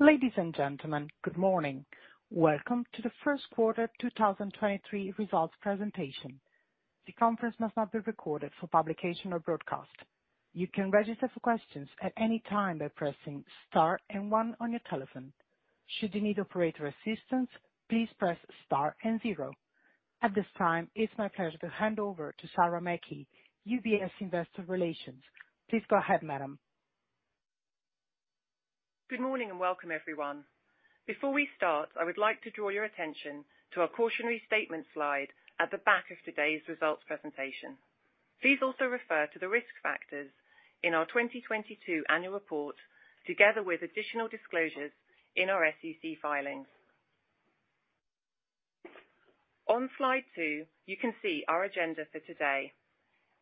Ladies and gentlemen, good morning. Welcome to the first quarter 2023 results presentation. The conference must not be recorded for publication or broadcast. You can register for questions at any time by pressing star and one on your telephone. Should you need operator assistance, please press star and zero. At this time, it's my pleasure to hand over to Sarah Young, UBS Investor Relations. Please go ahead, madam. Good morning and welcome, everyone. Before we start, I would like to draw your attention to our cautionary statement slide at the back of today's results presentation. Please also refer to the risk factors in our 2022 annual report, together with additional disclosures in our SEC filings. On slide two, you can see our agenda for today.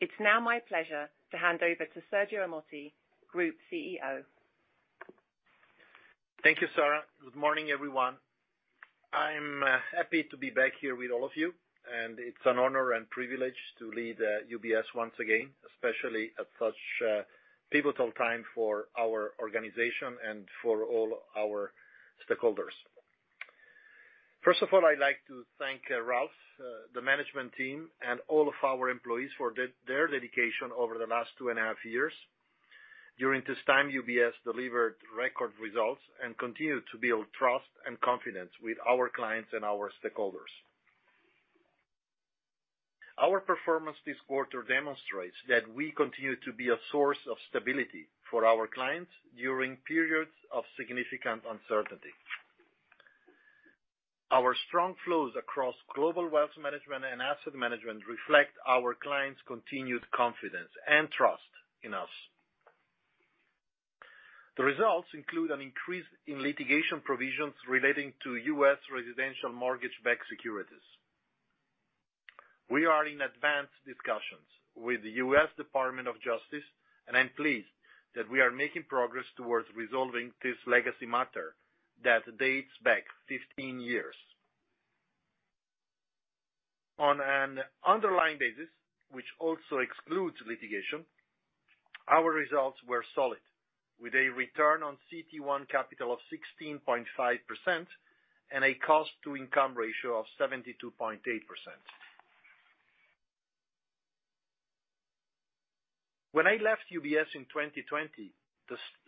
It's now my pleasure to hand over to Sergio Ermotti, Group CEO. Thank you, Sarah. Good morning, everyone. I'm happy to be back here with all of you, and it's an honor and privilege to lead UBS once again, especially at such a pivotal time for our organization and for all our stakeholders. First of all, I'd like to thank Ralph, the management team and all of our employees for their dedication over the last two and a half years. During this time, UBS delivered record results and continued to build trust and confidence with our clients and our stakeholders. Our performance this quarter demonstrates that we continue to be a source of stability for our clients during periods of significant uncertainty. Our strong flows across Global Wealth Management and asset management reflect our clients' continued confidence and trust in us. The results include an increase in litigation provisions relating to U.S. residential mortgage-backed securities. We are in advanced discussions with the U.S. Department of Justice, and I'm pleased that we are making progress towards resolving this legacy matter that dates back 15 years. On an underlying basis, which also excludes litigation, our results were solid, with a return on CET1 capital of 16.5% and a cost-to-income ratio of 72.8%. When I left UBS in 2020,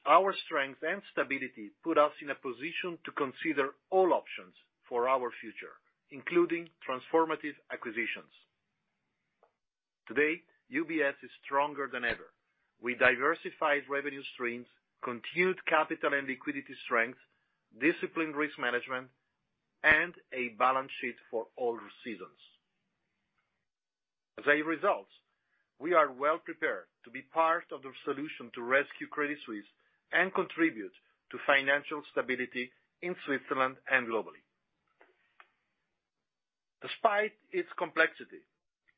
our strength and stability put us in a position to consider all options for our future, including transformative acquisitions. Today, UBS is stronger than ever with diversified revenue streams, continued capital and liquidity strength, disciplined risk management, and a balance sheet for all seasons. As a result, we are well-prepared to be part of the solution to rescue Credit Suisse and contribute to financial stability in Switzerland and globally. Despite its complexity,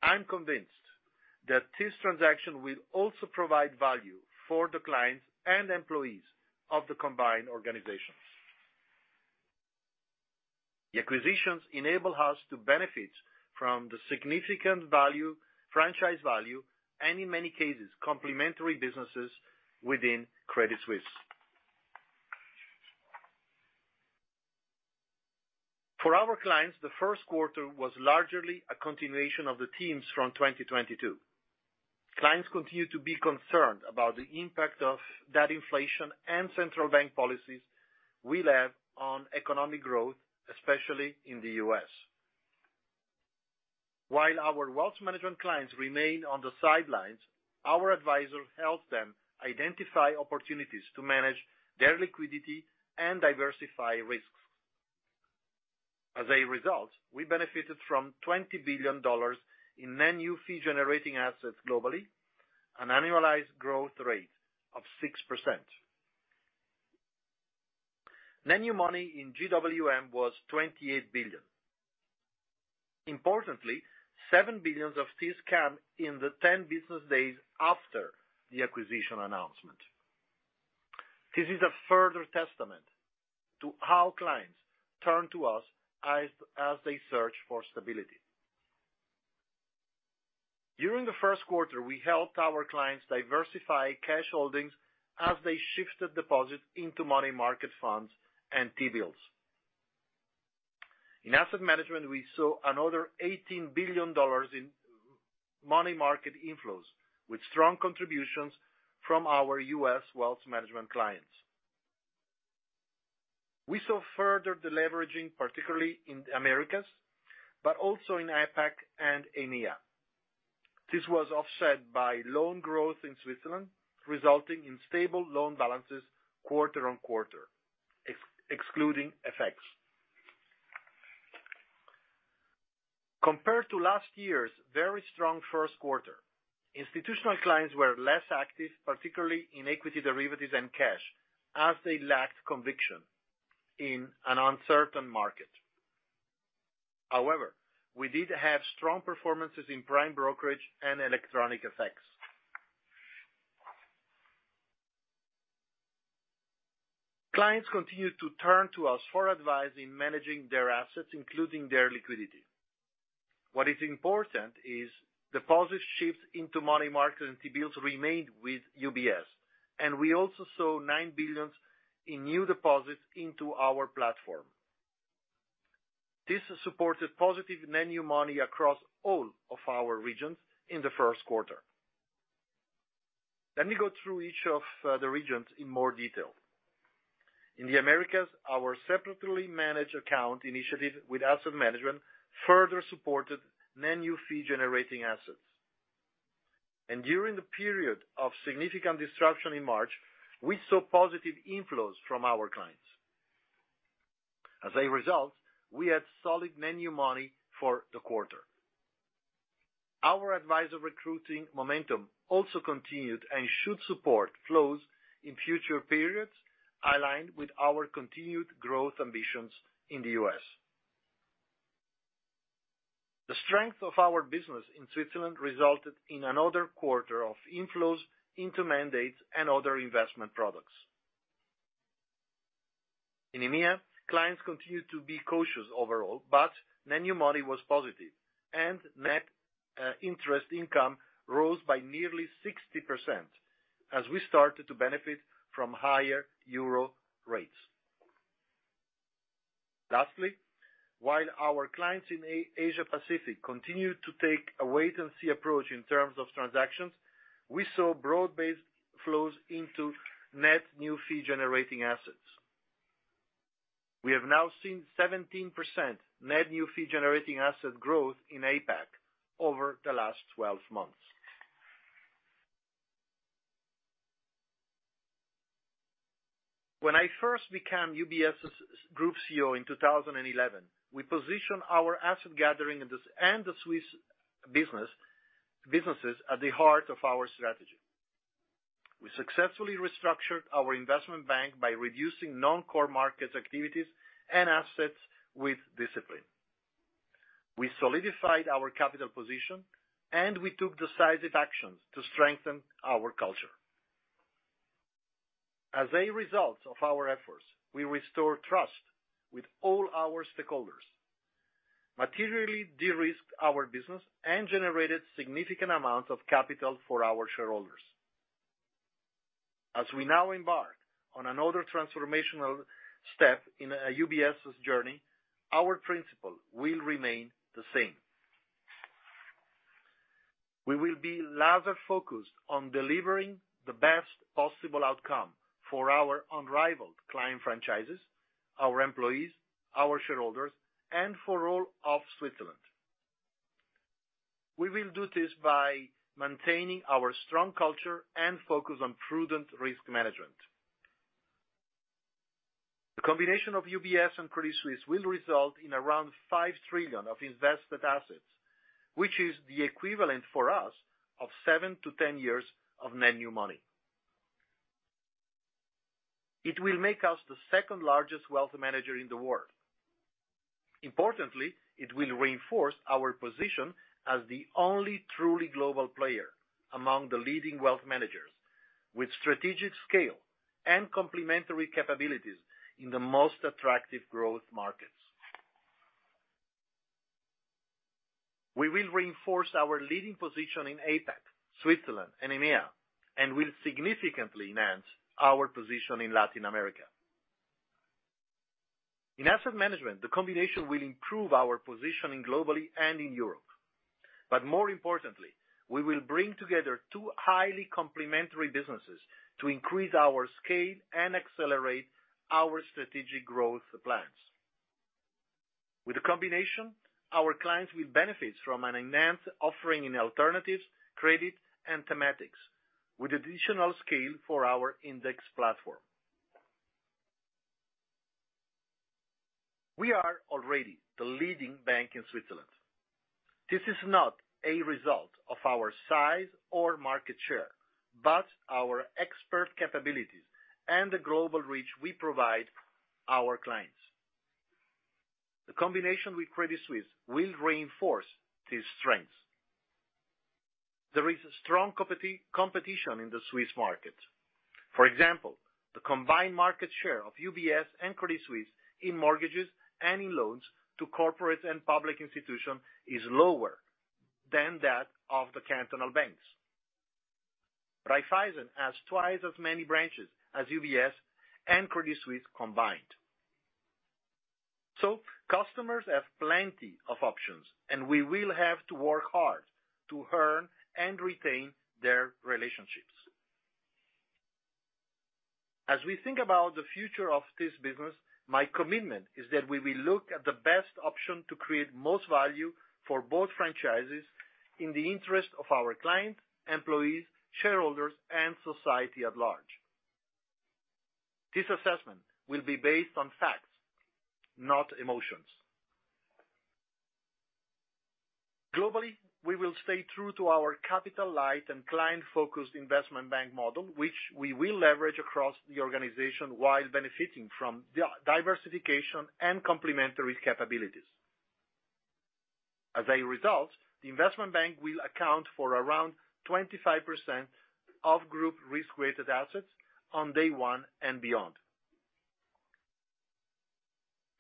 I'm convinced that this transaction will also provide value for the clients and employees of the combined organizations. The acquisitions enable us to benefit from the significant value, franchise value, and in many cases, complementary businesses within Credit Suisse. For our clients, the first quarter was largely a continuation of the themes from 2022. Clients continue to be concerned about the impact that inflation and central bank policies will have on economic growth, especially in the U.S. While our wealth management clients remain on the sidelines, our advisors help them identify opportunities to manage their liquidity and diversify risks. As a result, we benefited from $20 billion in net new fee-generating assets globally, an annualized growth rate of 6%. Net new money in GWM was $28 billion. Importantly, $7 billions of this came in the 10 business days after the acquisition announcement. This is a further testament to how clients turn to us as they search for stability. During the first quarter, we helped our clients diversify cash holdings as they shifted deposits into money market funds and T-bills. In asset management, we saw another $18 billion in money market inflows, with strong contributions from our US wealth management clients. We saw further deleveraging, particularly in the Americas, but also in APAC and EMEA. This was offset by loan growth in Switzerland, resulting in stable loan balances quarter-on-quarter, excluding FX. Compared to last year's very strong first quarter, institutional clients were less active, particularly in equity derivatives and cash, as they lacked conviction in an uncertain market. We did have strong performances in prime brokerage and electronic FX. Clients continue to turn to us for advice in managing their assets, including their liquidity. What is important is deposits shifts into money market and T-bills remained with UBS. Also saw $9 billion in new deposits into our platform. This has supported positive net new money across all of our regions in the first quarter. Let me go through each of the regions in more detail. In the Americas, our separately managed account initiative with asset management further supported net new fee-generating assets. During the period of significant disruption in March, we saw positive inflows from our clients. As a result, we had solid net new money for the quarter. Our advisor recruiting momentum also continued and should support flows in future periods, aligned with our continued growth ambitions in the U.S. The strength of our business in Switzerland resulted in another quarter of inflows into mandates and other investment products. In EMEA, clients continued to be cautious overall, but net new money was positive and net interest income rose by nearly 60% as we started to benefit from higher Euro rates. Lastly, while our clients in Asia Pacific continued to take a wait and see approach in terms of transactions, we saw broad-based flows into net new fee-generating assets. We have now seen 17% net new fee-generating asset growth in APAC over the last 12 months. When I first became UBS's Group CEO in 2011, we positioned our asset gathering and the Swiss businesses at the heart of our strategy. We successfully restructured our investment bank by reducing non-core markets activities and assets with discipline. We solidified our capital position, and we took decisive actions to strengthen our culture. As a result of our efforts, we restored trust with all our stakeholders, materially de-risked our business, and generated significant amounts of capital for our shareholders. As we now embark on another transformational step in UBS's journey, our principle will remain the same. We will be laser-focused on delivering the best possible outcome for our unrivaled client franchises, our employees, our shareholders, and for all of Switzerland. We will do this by maintaining our strong culture and focus on prudent risk management. The combination of UBS and Credit Suisse will result in around $5 trillion of invested assets, which is the equivalent for us of seven to 10 years of net new money. It will make us the second-largest wealth manager in the world. Importantly, it will reinforce our position as the only truly global player among the leading wealth managers, with strategic scale and complementary capabilities in the most attractive growth markets. We will reinforce our leading position in APAC, Switzerland and EMEA, and will significantly enhance our position in Latin America. In asset management, the combination will improve our positioning globally and in Europe. More importantly, we will bring together two highly complementary businesses to increase our scale and accelerate our strategic growth plans. With the combination, our clients will benefit from an enhanced offering in alternatives, credit, and thematics with additional scale for our index platform. We are already the leading bank in Switzerland. This is not a result of our size or market share, but our expert capabilities and the global reach we provide our clients. The combination with Credit Suisse will reinforce these strengths. There is a strong competition in the Swiss market. For example, the combined market share of UBS and Credit Suisse in mortgages and in loans to corporate and public institution is lower than that of the cantonal banks. Raiffeisen has twice as many branches as UBS and Credit Suisse combined. Customers have plenty of options, and we will have to work hard to earn and retain their relationships. As we think about the future of this business, my commitment is that we will look at the best option to create most value for both franchises in the interest of our clients, employees, shareholders, and society at large. This assessment will be based on facts, not emotions. Globally, we will stay true to our capital light and client-focused investment bank model, which we will leverage across the organization while benefiting from diversification and complementary capabilities. As a result, the investment bank will account for around 25% of group risk-weighted assets on day one and beyond.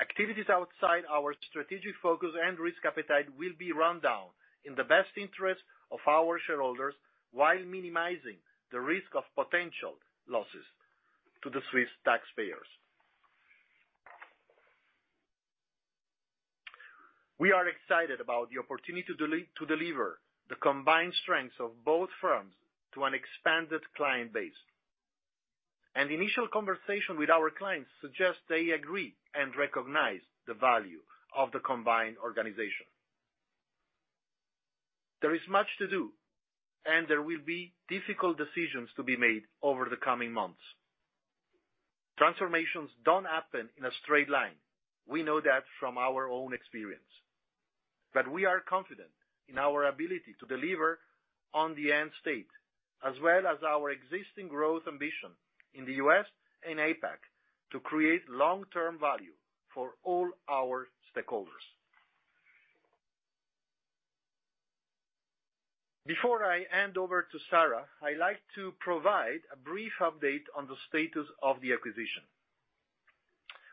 Activities outside our strategic focus and risk appetite will be run down in the best interest of our shareholders, while minimizing the risk of potential losses to the Swiss taxpayers. We are excited about the opportunity to deliver the combined strengths of both firms to an expanded client base. Initial conversation with our clients suggest they agree and recognize the value of the combined organization. There is much to do, and there will be difficult decisions to be made over the coming months. Transformations don't happen in a straight line. We know that from our own experience. We are confident in our ability to deliver on the end state, as well as our existing growth ambition in the U.S. and APAC to create long-term value for all our stakeholders. Before I hand over to Sarah, I like to provide a brief update on the status of the acquisition.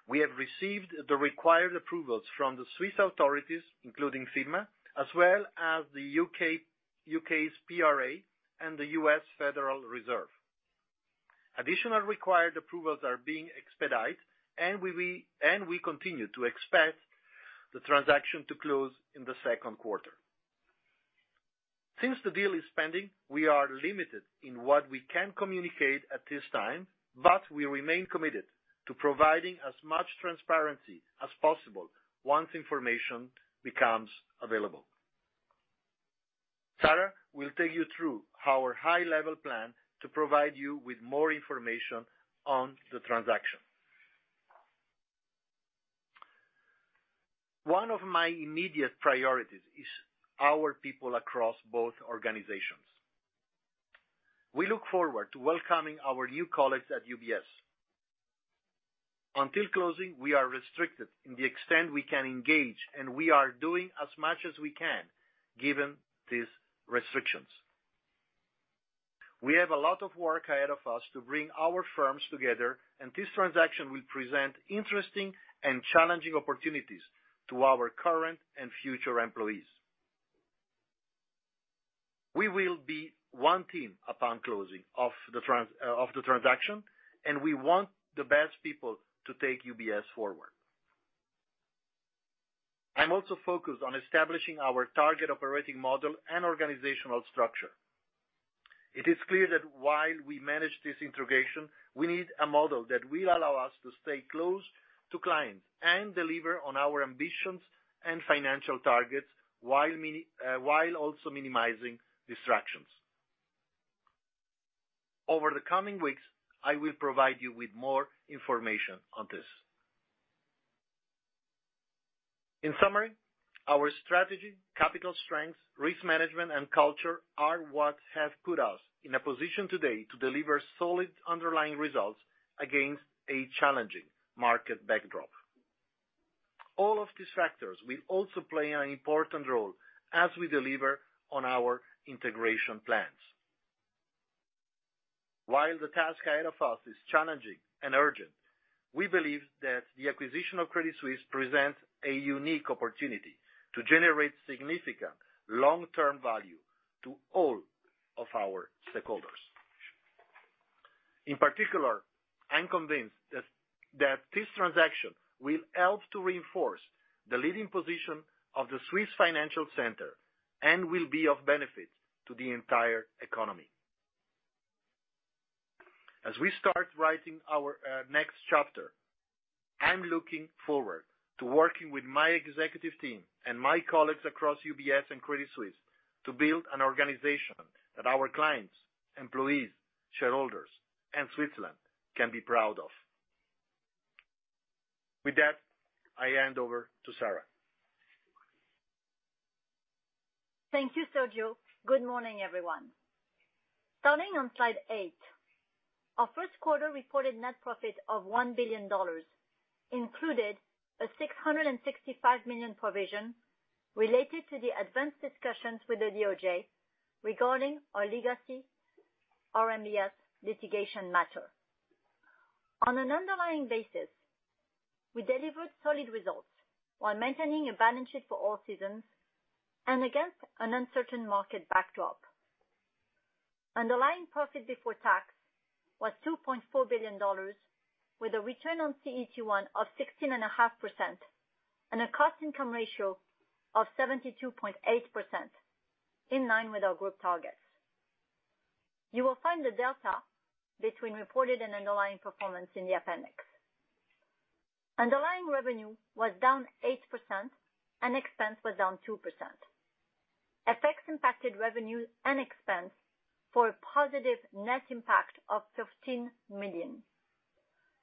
We have received the required approvals from the Swiss authorities, including FINMA, as well as the U.K., U.K.'s PRA and the U.S. Federal Reserve. Additional required approvals are being expedite, we continue to expect the transaction to close in the second quarter. Since the deal is pending, we are limited in what we can communicate at this time, but we remain committed to providing as much transparency as possible once information becomes available. Sarah will take you through our high-level plan to provide you with more information on the transaction. One of my immediate priorities is our people across both organizations. We look forward to welcoming our new colleagues at UBS. Until closing, we are restricted in the extent we can engage. We are doing as much as we can given these restrictions. We have a lot of work ahead of us to bring our firms together. This transaction will present interesting and challenging opportunities to our current and future employees. We will be one team upon closing of the transaction. We want the best people to take UBS forward. I'm also focused on establishing our target operating model and organizational structure. It is clear that while we manage this integration, we need a model that will allow us to stay close to clients and deliver on our ambitions and financial targets while also minimizing distractions. Over the coming weeks, I will provide you with more information on this. In summary, our strategy, capital strength, risk management, and culture are what have put us in a position today to deliver solid underlying results against a challenging market backdrop. All of these factors will also play an important role as we deliver on our integration plans. While the task ahead of us is challenging and urgent, we believe that the acquisition of Credit Suisse presents a unique opportunity to generate significant long-term value to all of our stakeholders. In particular, I'm convinced that this transaction will help to reinforce the leading position of the Swiss financial center and will be of benefit to the entire economy. As we start writing our next chapter, I'm looking forward to working with my executive team and my colleagues across UBS and Credit Suisse to build an organization that our clients, employees, shareholders, and Switzerland can be proud of. With that, I hand over to Sarah. Thank you, Sergio. Good morning, everyone. Starting on slide eight, our first quarter reported net profit of $1 billion included a $665 million provision related to the advanced discussions with the DOJ regarding our legacy RMBS litigation matter. On an underlying basis, we delivered solid results while maintaining a balance sheet for all seasons and against an uncertain market backdrop. Underlying profit before tax was $2.4 billion, with a return on CET1 of 16.5% and a cost-to-income ratio of 72.8%, in line with our group targets. You will find the delta between reported and underlying performance in the appendix. Underlying revenue was down 8% and expense was down 2%. FX impacted revenues and expense for a positive net impact of $15 million.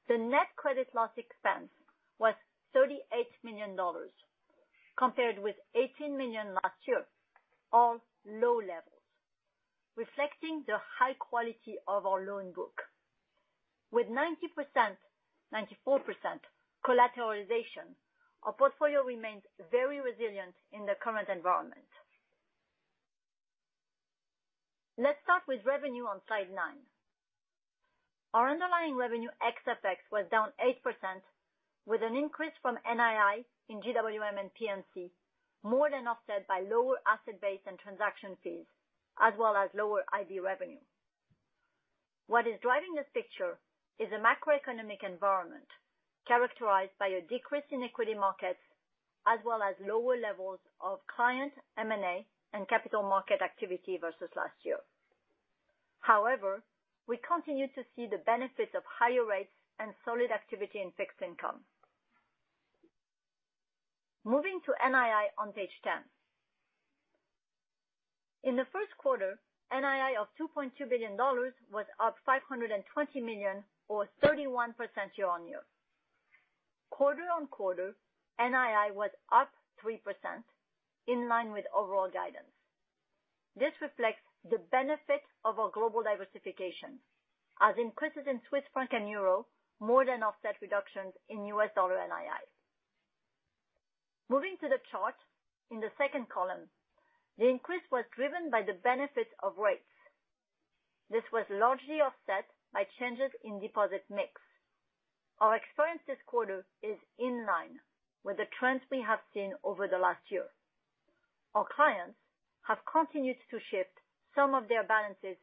The net credit loss expense was $38 million compared with $18 million last year, all low levels, reflecting the high quality of our loan book. With 90%, 94% collateralization, our portfolio remains very resilient in the current environment. Let's start with revenue on slide nine. Our underlying revenue ex effects was down 8% with an increase from NII in GWM and P&C, more than offset by lower asset base and transaction fees, as well as lower IB revenue. What is driving this picture is a macroeconomic environment characterized by a decrease in equity markets as well as lower levels of client M&A and capital market activity versus last year. We continue to see the benefits of higher rates and solid activity in fixed income. Moving to NII on page 10. In the first quarter, NII of $2.2 billion was up $520 million or 31% year-on-year. Quarter-on-quarter, NII was up 3% in line with overall guidance. This reflects the benefit of our global diversification as increases in Swiss franc and euro more than offset reductions in US dollar NII. Moving to the chart in the second column, the increase was driven by the benefit of rates. This was largely offset by changes in deposit mix. Our experience this quarter is in line with the trends we have seen over the last year. Our clients have continued to shift some of their balances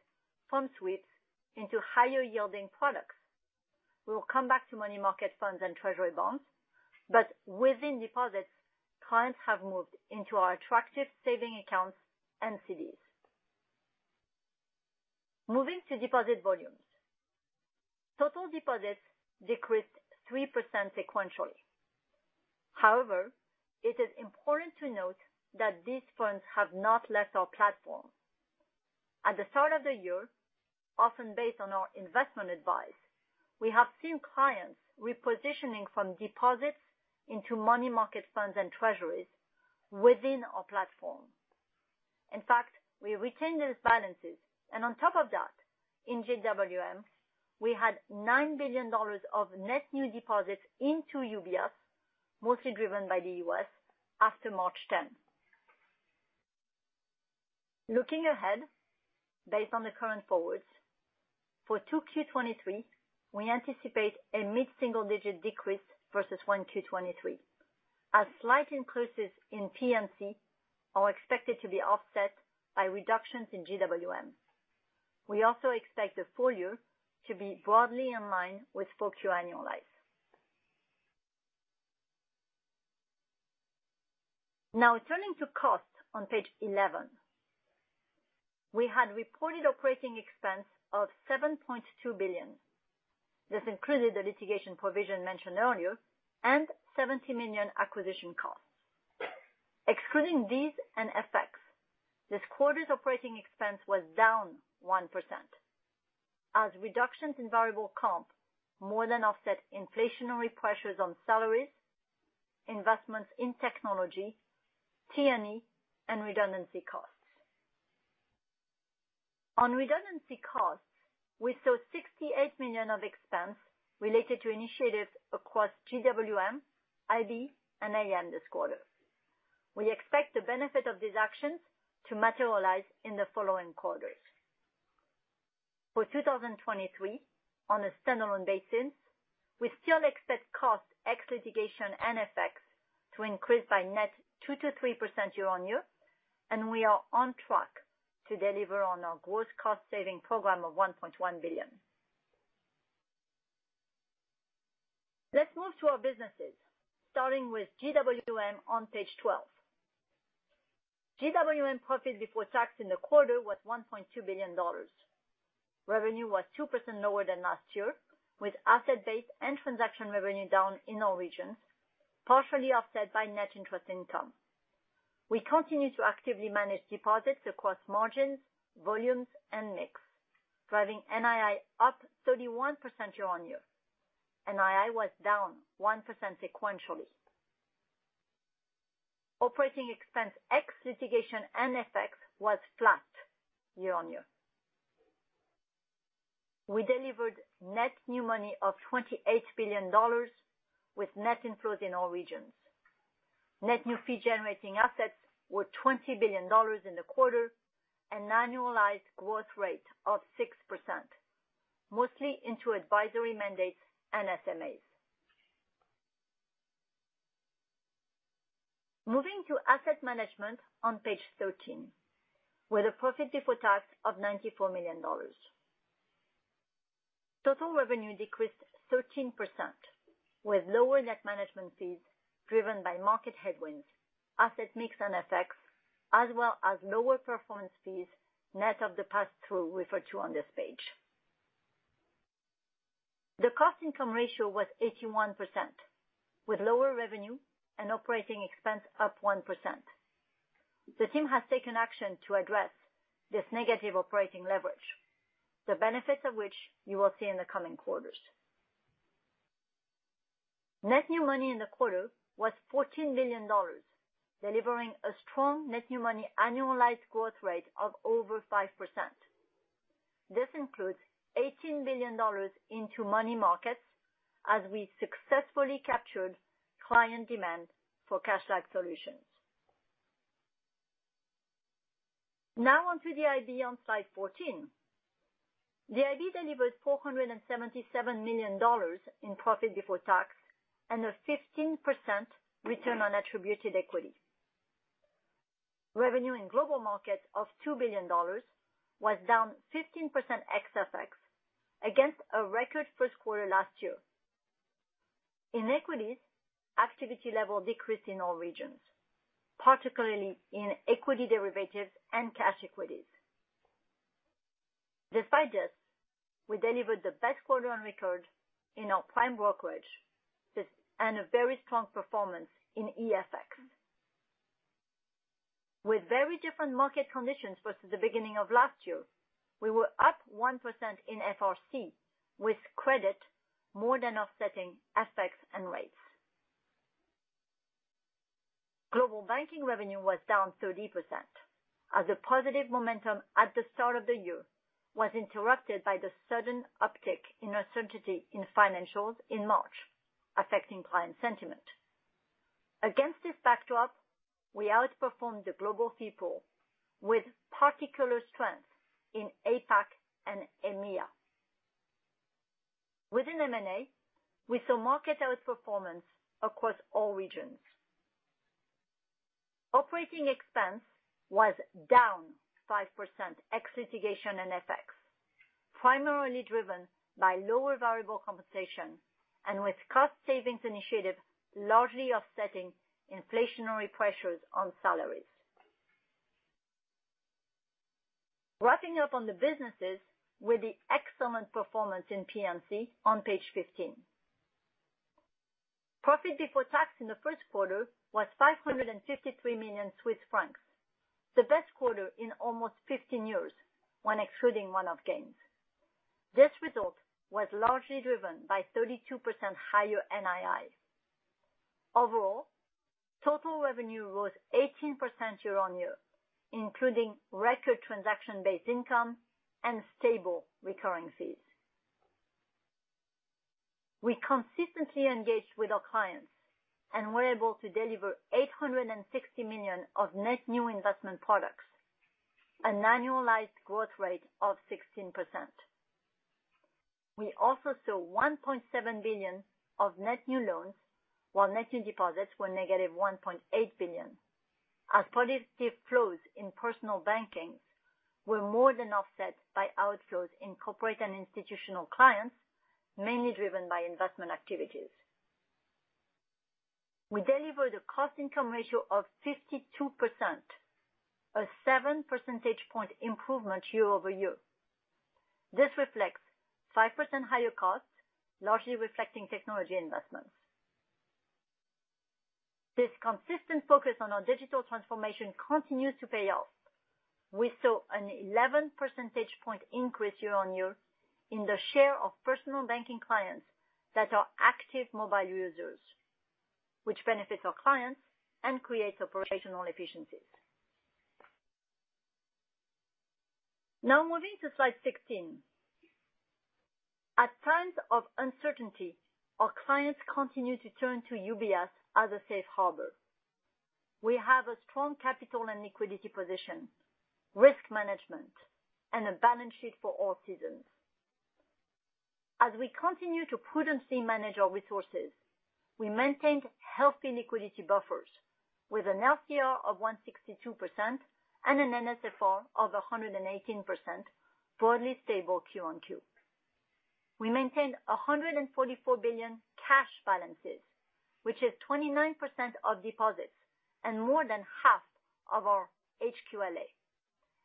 from sweeps into higher yielding products. We will come back to money market funds and treasury bonds, but within deposits, clients have moved into our attractive saving accounts and CDs. Moving to deposit volumes. Total deposits decreased 3% sequentially. It is important to note that these funds have not left our platform. At the start of the year, often based on our investment advice, we have seen clients repositioning from deposits into money market funds and treasuries within our platform. We retained those balances, on top of that, in GWM, we had $9 billion of net new deposits into UBS, mostly driven by the U.S. after March 10. Looking ahead, based on the current forwards, for 2Q 2023, we anticipate a mid-single-digit decrease versus 1Q 2023. A slight increases in P&C are expected to be offset by reductions in GWM. We also expect the full year to be broadly in line with 4Q annualized. Turning to cost on page 11. We had reported operating expense of $7.2 billion. This included the litigation provision mentioned earlier and $70 million acquisition costs. Excluding these and effects, this quarter's operating expense was down 1% as reductions in variable compensation more than offset inflationary pressures on salaries, investments in technology, T&E, and redundancy costs. On redundancy costs, we saw $68 million of expense related to initiatives across GWM, IB, and AM this quarter. We expect the benefit of these actions to materialize in the following quarters. For 2023, on a standalone basis, we still expect cost ex litigation and effects to increase by net 2%-3% year-on-year, and we are on track to deliver on our gross cost saving program of $1.1 billion. Let's move to our businesses, starting with GWM on page 12. GWM profit before tax in the quarter was $1.2 billion. Revenue was 2% lower than last year, with asset base and transaction revenue down in all regions, partially offset by net interest income. We continue to actively manage deposits across margins, volumes, and mix, driving NII up 31% year-on-year. NII was down 1% sequentially. Operating expense ex litigation and effects was flat year-on-year. We delivered net new money of $28 billion with net inflows in all regions. Net new fee-generating assets were $20 billion in the quarter, an annualized growth rate of 6%, mostly into advisory mandates and SMAs. Moving to asset management on page 13, with a profit before tax of $94 million. Total revenue decreased 13% with lower net management fees driven by market headwinds, asset mix and effects, as well as lower performance fees net of the pass-through referred to on this page. The cost-to-income ratio was 81%, with lower revenue and operating expense up 1%. The team has taken action to address this negative operating leverage, the benefits of which you will see in the coming quarters. Net new money in the quarter was $14 million, delivering a strong net new money annualized growth rate of over 5%. This includes $18 billion into money markets as we successfully captured client demand for cash-like solutions. On to the IB on slide 14. The IB delivered $477 million in profit before tax and a 15% return on attributed equity. Revenue in Global Markets of $2 billion was down 15% ex FX against a record first quarter last year. In equities, activity level decreased in all regions, particularly in equity derivatives and cash equities. Despite this, we delivered the best quarter on record in our prime brokerage and a very strong performance in EFX. With very different market conditions versus the beginning of last year, we were up 1% in FRC, with credit more than offsetting aspects and rates. Global Banking revenue was down 30% as the positive momentum at the start of the year was interrupted by the sudden uptick in uncertainty in financials in March, affecting client sentiment. Against this backdrop, we outperformed the global fee pool with particular strength in APAC and EMEA. Within M&A, we saw market outperformance across all regions. Operating expense was down 5% ex litigation and FX, primarily driven by lower variable compensation and with cost savings initiative largely offsetting inflationary pressures on salaries. Wrapping up on the businesses with the excellent performance in P&C on page 15. Profit before tax in the first quarter was 553 million Swiss francs, the best quarter in almost 15 years when excluding one-off gains. This result was largely driven by 32% higher NII. Overall, total revenue rose 18% year-on-year, including record transaction-based income and stable recurring fees. We consistently engaged with our clients and were able to deliver $860 million of net new investment products, an annualized growth rate of 16%. We also saw $1.7 billion of net new loans, while net new deposits were negative $1.8 billion, as positive flows in Personal Banking were more than offset by outflows in corporate and institutional clients, mainly driven by investment activities. We delivered a cost-to-income ratio of 52%, a 7 percentage point improvement year-over-year. This reflects 5% higher costs, largely reflecting technology investments. This consistent focus on our digital transformation continues to pay off. We saw an 11 percentage point increase year-on-year in the share of personal banking clients that are active mobile users, which benefits our clients and creates operational efficiencies. Moving to slide 16. At times of uncertainty, our clients continue to turn to UBS as a safe harbor. We have a strong capital and liquidity position, risk management, and a balance sheet for all seasons. As we continue to prudently manage our resources, we maintained healthy liquidity buffers with an LCR of 162% and an NSFR of 118%, broadly stable Q-on-Q. We maintained $144 billion cash balances, which is 29% of deposits and more than half of our HQLA.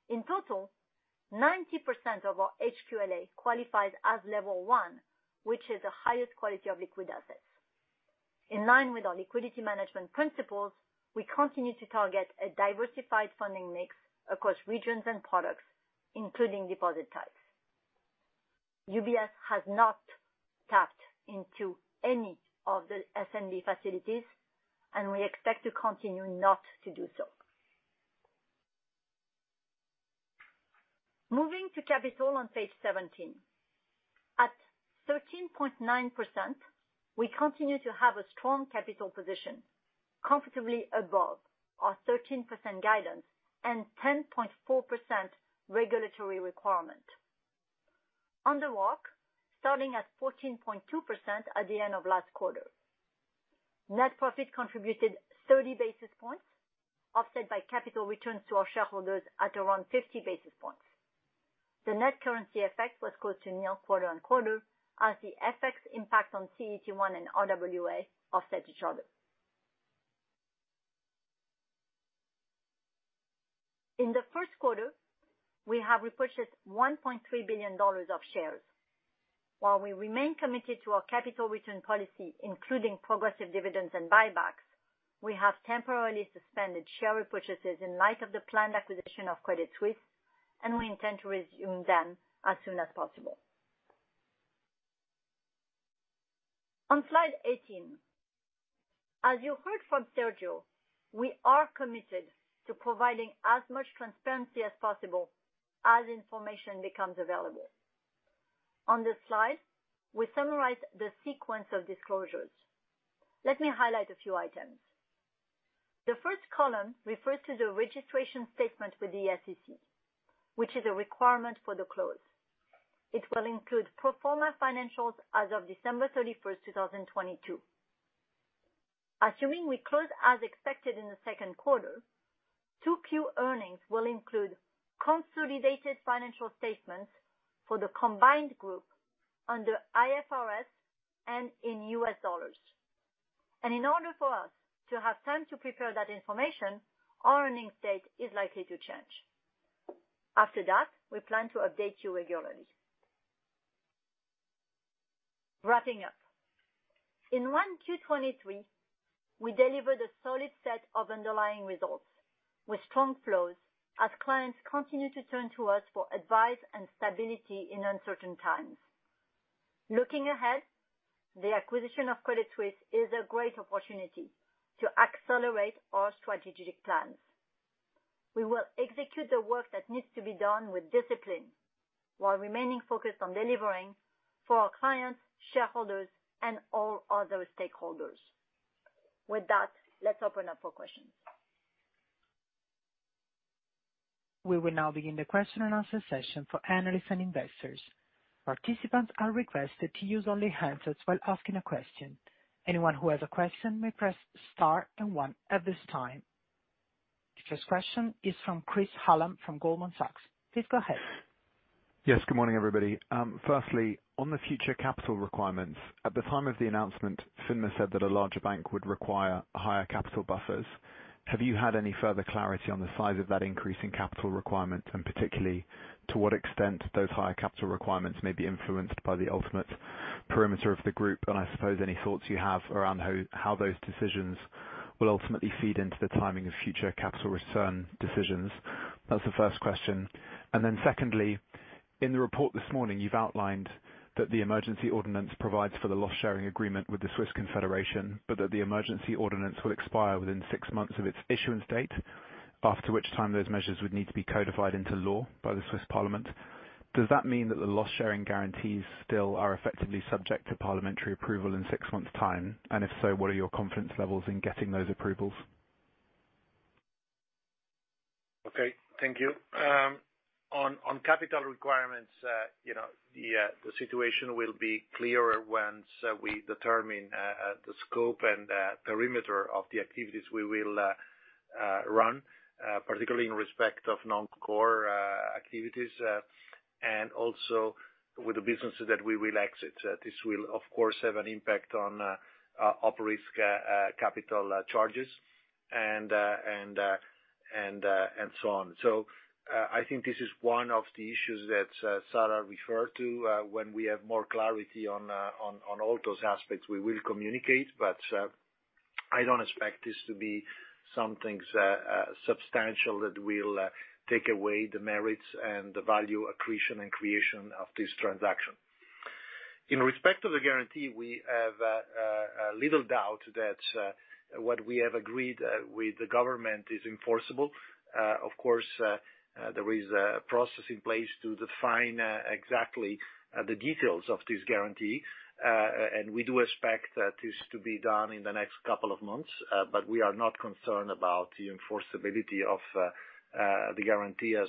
In total, 90% of our HQLA qualifies as level one, which is the highest quality of liquid assets. In line with our liquidity management principles, we continue to target a diversified funding mix across regions and products, including deposit types. UBS has not tapped into any of the SNB facilities. We expect to continue not to do so. Moving to capital on page 17. At 13.9%, we continue to have a strong capital position, comfortably above our 13% guidance and 10.4% regulatory requirement. On the ROC, starting at 14.2% at the end of last quarter. Net profit contributed 30 basis points, offset by capital returns to our shareholders at around 50 basis points. The net currency effect was close to nil quarter-on-quarter as the FX impact on CET1 and RWA offset each other. In the first quarter, we have repurchased $1.3 billion of shares. While we remain committed to our capital return policy, including progressive dividends and buybacks, we have temporarily suspended share repurchases in light of the planned acquisition of Credit Suisse. We intend to resume them as soon as possible. On slide 18, as you heard from Sergio, we are committed to providing as much transparency as possible as information becomes available. On this slide, we summarize the sequence of disclosures. Let me highlight a few items. The first column refers to the registration statement with the SEC, which is a requirement for the close. It will include pro forma financials as of December 31, 2022. Assuming we close as expected in the second quarter, 2Q earnings will include consolidated financial statements for the combined group under IFRS and in US dollars. In order for us to have time to prepare that information, our earnings date is likely to change. After that, we plan to update you regularly. Wrapping up, in one, 2023, we delivered a solid set of underlying results with strong flows as clients continue to turn to us for advice and stability in uncertain times. Looking ahead, the acquisition of Credit Suisse is a great opportunity to accelerate our strategic plans. We will execute the work that needs to be done with discipline while remaining focused on delivering for our clients, shareholders, and all other stakeholders. With that, let's open up for questions. We will now begin the question-and-answer session for analysts and investors. Participants are requested to use only handsets while asking a question. Anyone who has a question may press star and one at this time. The first question is from Chris Hallam from Goldman Sachs. Please go ahead. Yes, good morning, everybody. Firstly, on the future capital requirements, at the time of the announcement, FINMA said that a larger bank would require higher capital buffers. Have you had any further clarity on the size of that increase in capital requirements, and particularly to what extent those higher capital requirements may be influenced by the ultimate perimeter of the group? I suppose any thoughts you have around how those decisions will ultimately feed into the timing of future capital return decisions. That's the first question. Then secondly, in the report this morning, you've outlined that the emergency ordinance provides for the loss sharing agreement with the Swiss Confederation, but that the emergency ordinance will expire within six months of its issuance date, after which time those measures would need to be codified into law by the Swiss Parliament. Does that mean that the loss-sharing guarantees still are effectively subject to parliamentary approval in six months' time? If so, what are your confidence levels in getting those approvals? Okay, thank you. On capital requirements, you know, the situation will be clearer once we determine the scope and perimeter of the activities we will run, particularly in respect of non-core activities, and also with the businesses that we will exit. This will of course have an impact on operating risk, capital charges and so on. I think this is one of the issues that Sarah referred to when we have more clarity on all those aspects, we will communicate. I don't expect this to be something substantial that will take away the merits and the value accretion and creation of this transaction. In respect to the guarantee, we have a little doubt that what we have agreed with the government is enforceable. Of course, there is a process in place to define exactly the details of this guarantee, and we do expect that this to be done in the next couple of months, but we are not concerned about the enforceability of the guarantee as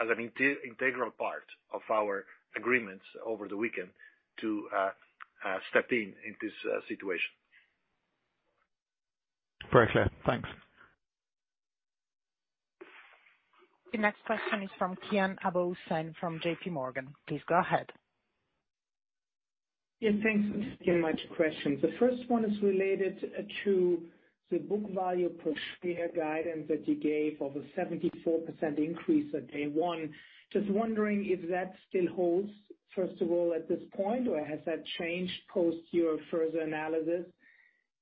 an integral part of our agreements over the weekend to step in this situation. Very clear. Thanks. The next question is from Kian Abouhossein from JPMorgan. Please go ahead. Yeah, thanks. Two much questions. The first one is related to the book value per share guidance that you gave of a 74% increase at day one. Just wondering if that still holds, first of all, at this point, or has that changed post your further analysis?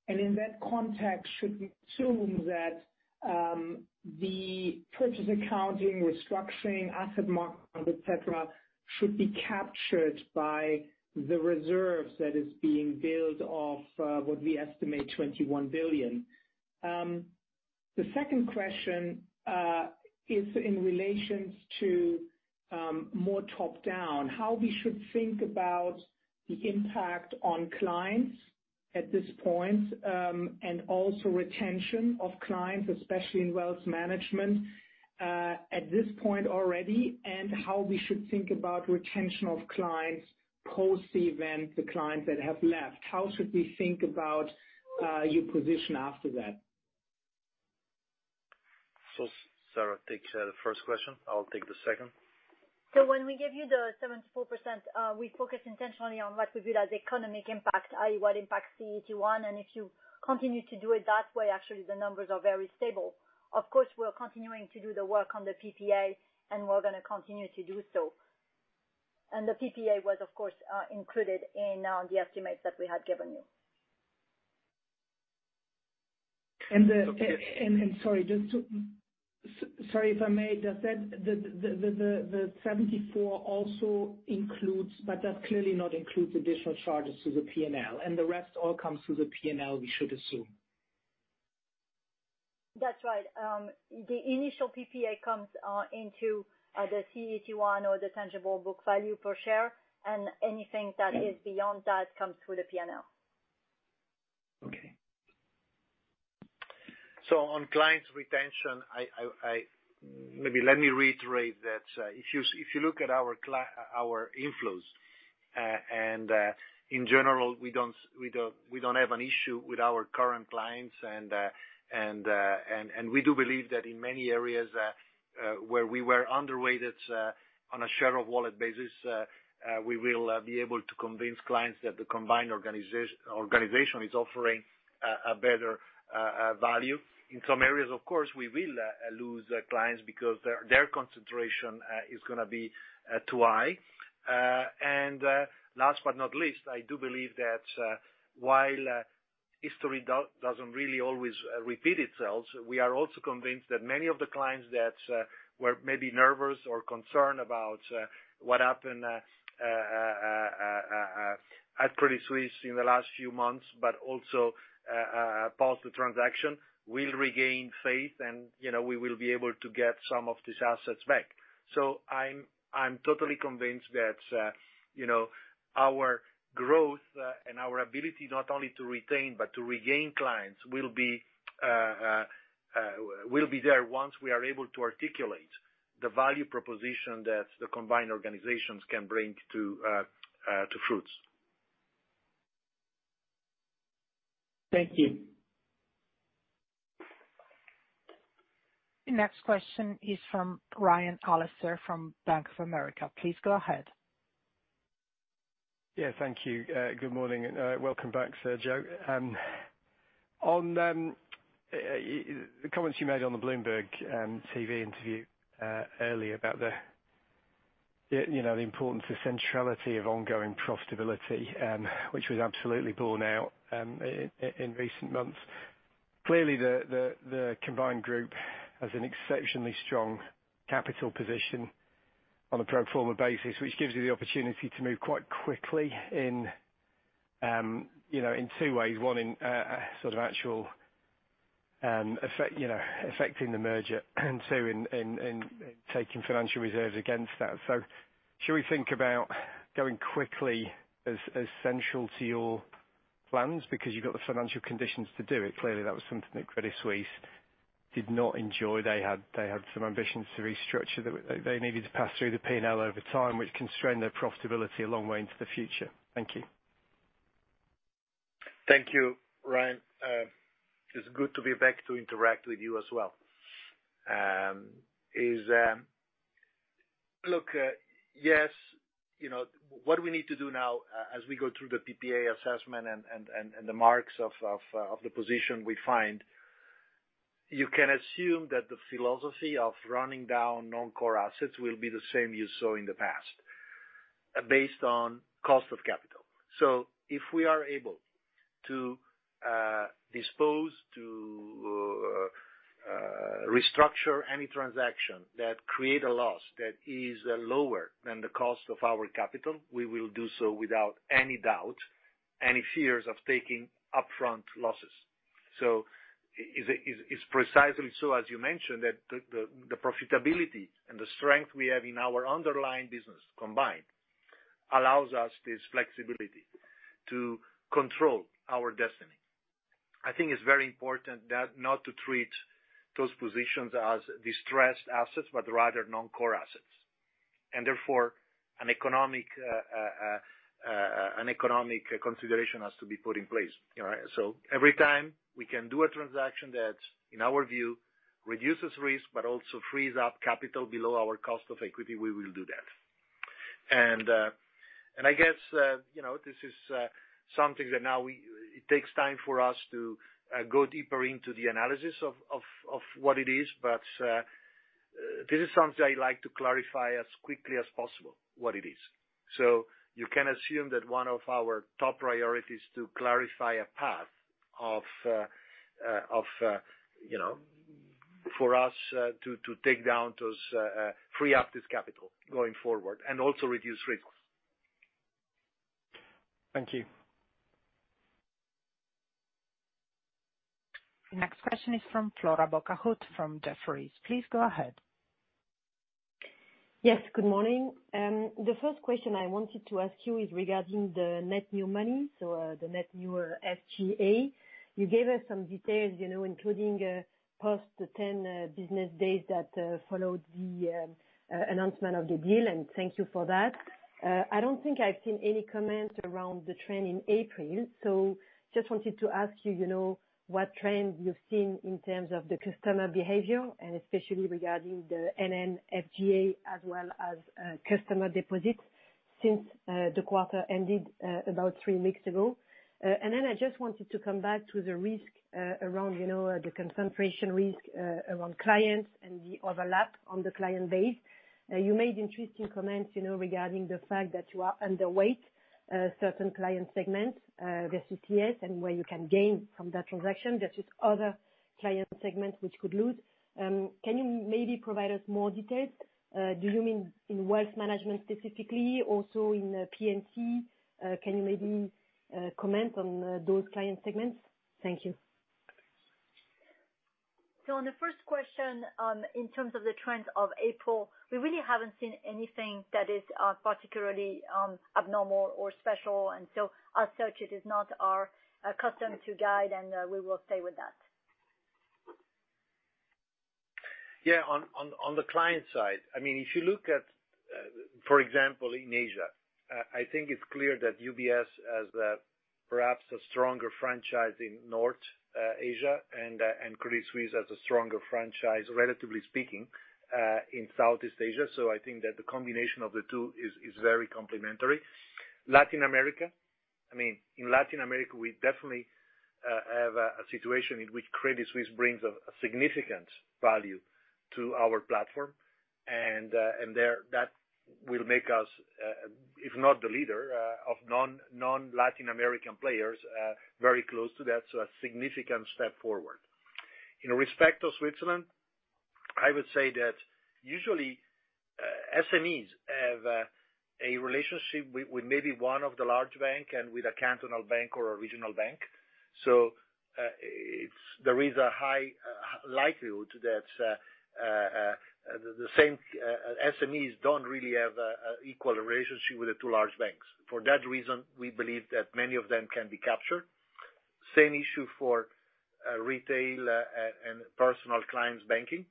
In that context, should we assume that the purchase accounting, restructuring, asset mark, et cetera, should be captured by the reserves that is being built off, what we estimate $21 billion? The second question is in relations to more top-down, how we should think about the impact on clients at this point, also retention of clients, especially in wealth management, at this point already, and how we should think about retention of clients post the event, the clients that have left. How should we think about your position after that? Sarah, take the first question. I'll take the second. When we give you the 74%, we focus intentionally on what we view as economic impact, i.e., what impacts CET1. If you continue to do it that way, actually the numbers are very stable. Of course, we're continuing to do the work on the PPA, and we're gonna continue to do so. The PPA was of course, included in the estimates that we had given. Sorry, if I may, does that the 74 also includes, but that clearly not includes additional charges to the P&L, and the rest all comes through the P&L we should assume? That's right. The initial PPA comes into the CET1 or the tangible book value per share, and anything that is beyond that comes through the P&L. Okay. On clients retention, I. Maybe let me reiterate that if you look at our inflows, and in general, we don't have an issue with our current clients and we do believe that in many areas where we were underweighted on a share of wallet basis, we will be able to convince clients that the combined organization is offering a better value. In some areas, of course, we will lose clients because their concentration is gonna be too high. Last but not least, I do believe that, while history doesn't really always repeat itself, we are also convinced that many of the clients that were maybe nervous or concerned about what happened at Credit Suisse in the last few months, but also post the transaction, will regain faith and, you know, we will be able to get some of these assets back. I'm totally convinced that, you know, our growth and our ability not only to retain but to regain clients will be there once we are able to articulate the value proposition that the combined organizations can bring to fruits. Thank you. The next question is from Alastair Ryan from Bank of America. Please go ahead. Yeah, thank you. Good morning, and welcome back, Sergio. On the comments you made on the Bloomberg TV interview earlier about the, you know, the importance, the centrality of ongoing profitability, which was absolutely borne out in recent months. Clearly, the combined group has an exceptionally strong capital position on a pro forma basis, which gives you the opportunity to move quite quickly in, you know, in two ways. One, in a sort of actual effect, you know, affecting the merger, and two, in taking financial reserves against that. Should we think about going quickly as central to your plans because you've got the financial conditions to do it? Clearly, that was something that Credit Suisse did not enjoy. They had some ambitions to restructure that they needed to pass through the P&L over time, which constrained their profitability a long way into the future. Thank you. Thank you, Ryan. It's good to be back to interact with you as well. Look, yes, you know, what we need to do now, as we go through the PPA assessment and the marks of the position we find, you can assume that the philosophy of running down non-core assets will be the same you saw in the past, based on cost of capital. If we are able to dispose to restructure any transaction that create a loss that is lower than the cost of our capital, we will do so without any doubt, any fears of taking upfront losses. It's precisely so, as you mentioned, that the profitability and the strength we have in our underlying business combined allows us this flexibility to control our destiny. I think it's very important that not to treat those positions as distressed assets, but rather non-core assets, and therefore an economic consideration has to be put in place. All right? Every time we can do a transaction that, in our view, reduces risk but also frees up capital below our cost of equity, we will do that. And I guess, you know, this is something that now we, it takes time for us to go deeper into the analysis of what it is. This is something I like to clarify as quickly as possible what it is. You can assume that one of our top priorities is to clarify a path of, you know, for us, to take down those, free up this capital going forward and also reduce risk. Thank you. Next question is from Flora Bocahut from Jefferies. Please go ahead. Good morning. The first question I wanted to ask you is regarding the net new money, so, the net newer NNFGA. You gave us some details, you know, including, post 10 business days that followed the announcement of the deal, and thank you for that. I don't think I've seen any comments around the trend in April. Just wanted to ask you know, what trends you've seen in terms of the customer behavior and especially regarding the NNFGA as well as customer deposits. Since the quarter ended about three weeks ago. And then I just wanted to come back to the risk, around, you know, the concentration risk, around clients and the overlap on the client base. You made interesting comments, you know, regarding the fact that you are underweight certain client segments, the GTS and where you can gain from that transaction versus other client segments which could lose. Can you maybe provide us more details? Do you mean in wealth management specifically, also in P&C? Can you maybe comment on those client segments? Thank you. On the first question, in terms of the trends of April, we really haven't seen anything that is particularly abnormal or special. As such, it is not our custom to guide and we will stay with that. Yeah. On the client side, I mean, if you look at, for example, in Asia, I think it's clear that UBS has perhaps a stronger franchise in North Asia and Credit Suisse has a stronger franchise, relatively speaking, in Southeast Asia. I think that the combination of the two is very complementary. Latin America, I mean, in Latin America, we definitely have a situation in which Credit Suisse brings a significant value to our platform. That will make us, if not the leader, of non-Latin American players, very close to that, so a significant step forward. In respect of Switzerland, I would say that usually, SMEs have a relationship with maybe one of the large bank and with a cantonal bank or a regional bank. There is a high likelihood that the same SMEs don't really have equal relationship with the two large banks. For that reason, we believe that many of them can be captured. Same issue for retail and personal clients banking.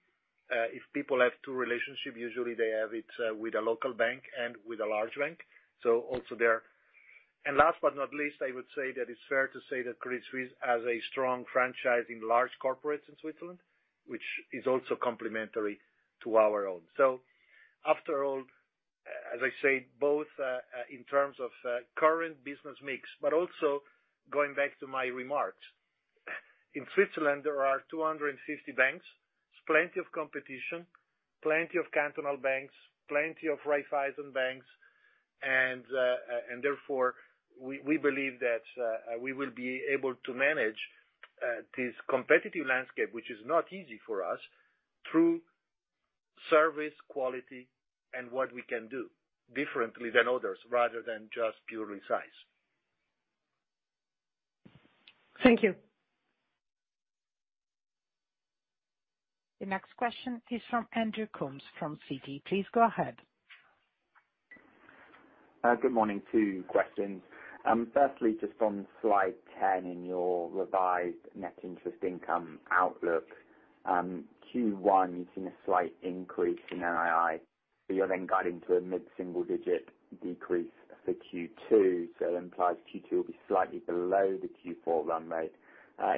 If people have two relationship, usually they have it with a local bank and with a large bank, so also there. Last but not least, I would say that it's fair to say that Credit Suisse has a strong franchise in large corporates in Switzerland, which is also complementary to our own. after all, as I said, both in terms of current business mix, but also going back to my remarks. In Switzerland, there are 250 banks, there's plenty of competition, plenty of cantonal banks, plenty of Raiffeisen banks, and therefore, we believe that we will be able to manage this competitive landscape, which is not easy for us, through service, quality and what we can do differently than others, rather than just purely size. Thank you. The next question is from Andrew Coombs from Citi. Please go ahead. Good morning. Two questions. Firstly, just on slide 10 in your revised net interest income outlook. Q1, you've seen a slight increase in NII, but you're then guiding to a mid-single digit decrease for Q2. That implies Q2 will be slightly below the Q4 run rate.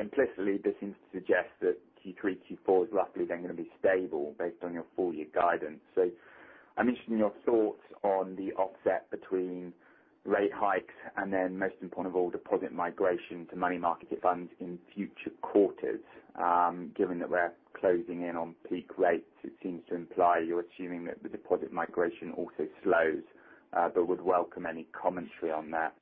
Implicitly, this seems to suggest that Q3, Q4 is roughly then gonna be stable based on your full year guidance. I'm interested in your thoughts on the offset between rate hikes and then most important of all, deposit migration to money market funds in future quarters. Given that we're closing in on peak rates, it seems to imply you're assuming that the deposit migration also slows, but would welcome any commentary on that.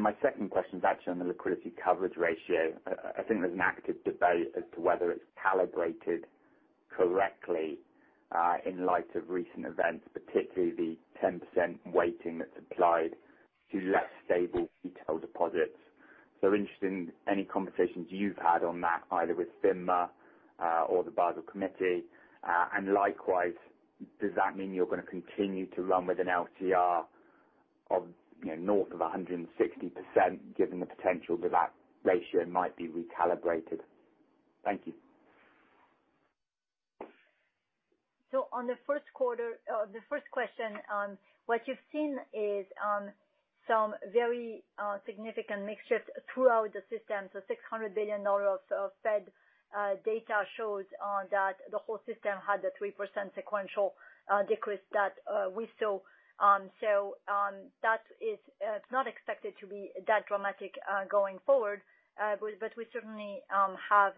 My second question is actually on the liquidity coverage ratio. I think there's an active debate as to whether it's calibrated correctly, in light of recent events, particularly the 10% weighting that's applied to less stable retail deposits. Interested in any conversations you've had on that, either with FINMA, or the Basel Committee. Likewise, does that mean you're gonna continue to run with an LCR of, you know, north of 160%, given the potential that that ratio might be recalibrated? Thank you. On the first quarter, the first question, what you've seen is some very significant mix shift throughout the system. Six hundred billion dollars of Fed data shows that the whole system had a 3% sequential decrease that we saw. That is not expected to be that dramatic going forward. We certainly have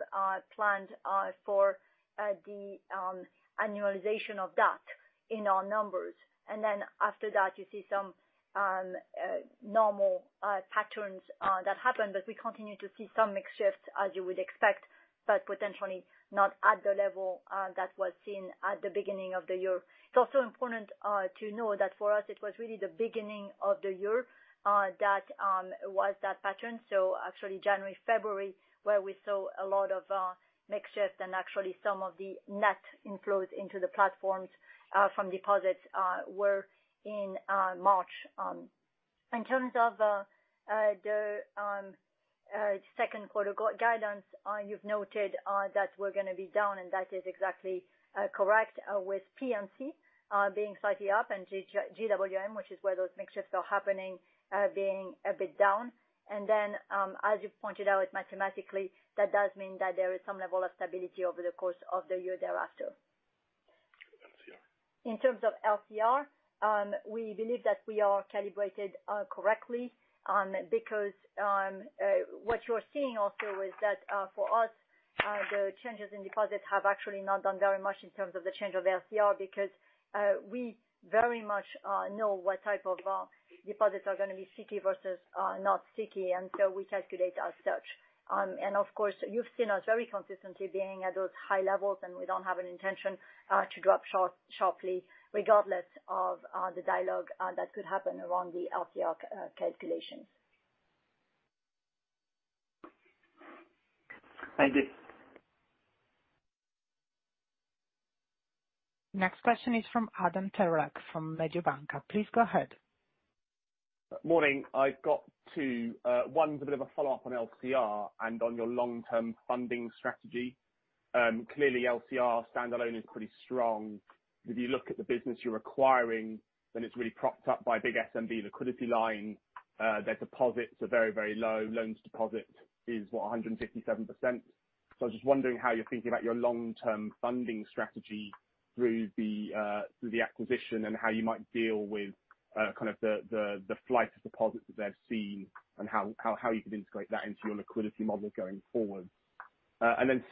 planned for the annualization of that in our numbers. After that, you see some normal patterns that happen. We continue to see some mix shift, as you would expect, but potentially not at the level that was seen at the beginning of the year. It's also important to know that for us it was really the beginning of the year that was that pattern. Actually January, February, where we saw a lot of mix shift and actually some of the net inflows into the platforms from deposits were in March. In terms of the second quarter guidance, you've noted that we're gonna be down, and that is exactly correct, with P&C being slightly up and GWM, which is where those mix shifts are happening, being a bit down. As you've pointed out mathematically, that does mean that there is some level of stability over the course of the year thereafter. In terms of LCR, we believe that we are calibrated correctly because what you're seeing also is that for us, the changes in deposits have actually not done very much in terms of the change of LCR because we very much know what type of deposits are gonna be CET versus not CET, and so we calculate as such. Of course, you've seen us very consistently being at those high levels, and we don't have an intention to drop sharply regardless of the dialogue that could happen around the LCR calculations. Thank you. Next question is from Adam Terelak from Mediobanca. Please go ahead. Morning. I've got two. One's a bit of a follow-up on LCR and on your long-term funding strategy. Clearly LCR standalone is pretty strong. If you look at the business you're acquiring, it's really propped up by big SNB liquidity line. Their deposits are very, very low. Loans deposit is, what? 157%. I was just wondering how you're thinking about your long-term funding strategy through the acquisition and how you might deal with kind of the flight of deposits that they've seen and how you can integrate that into your liquidity model going forward.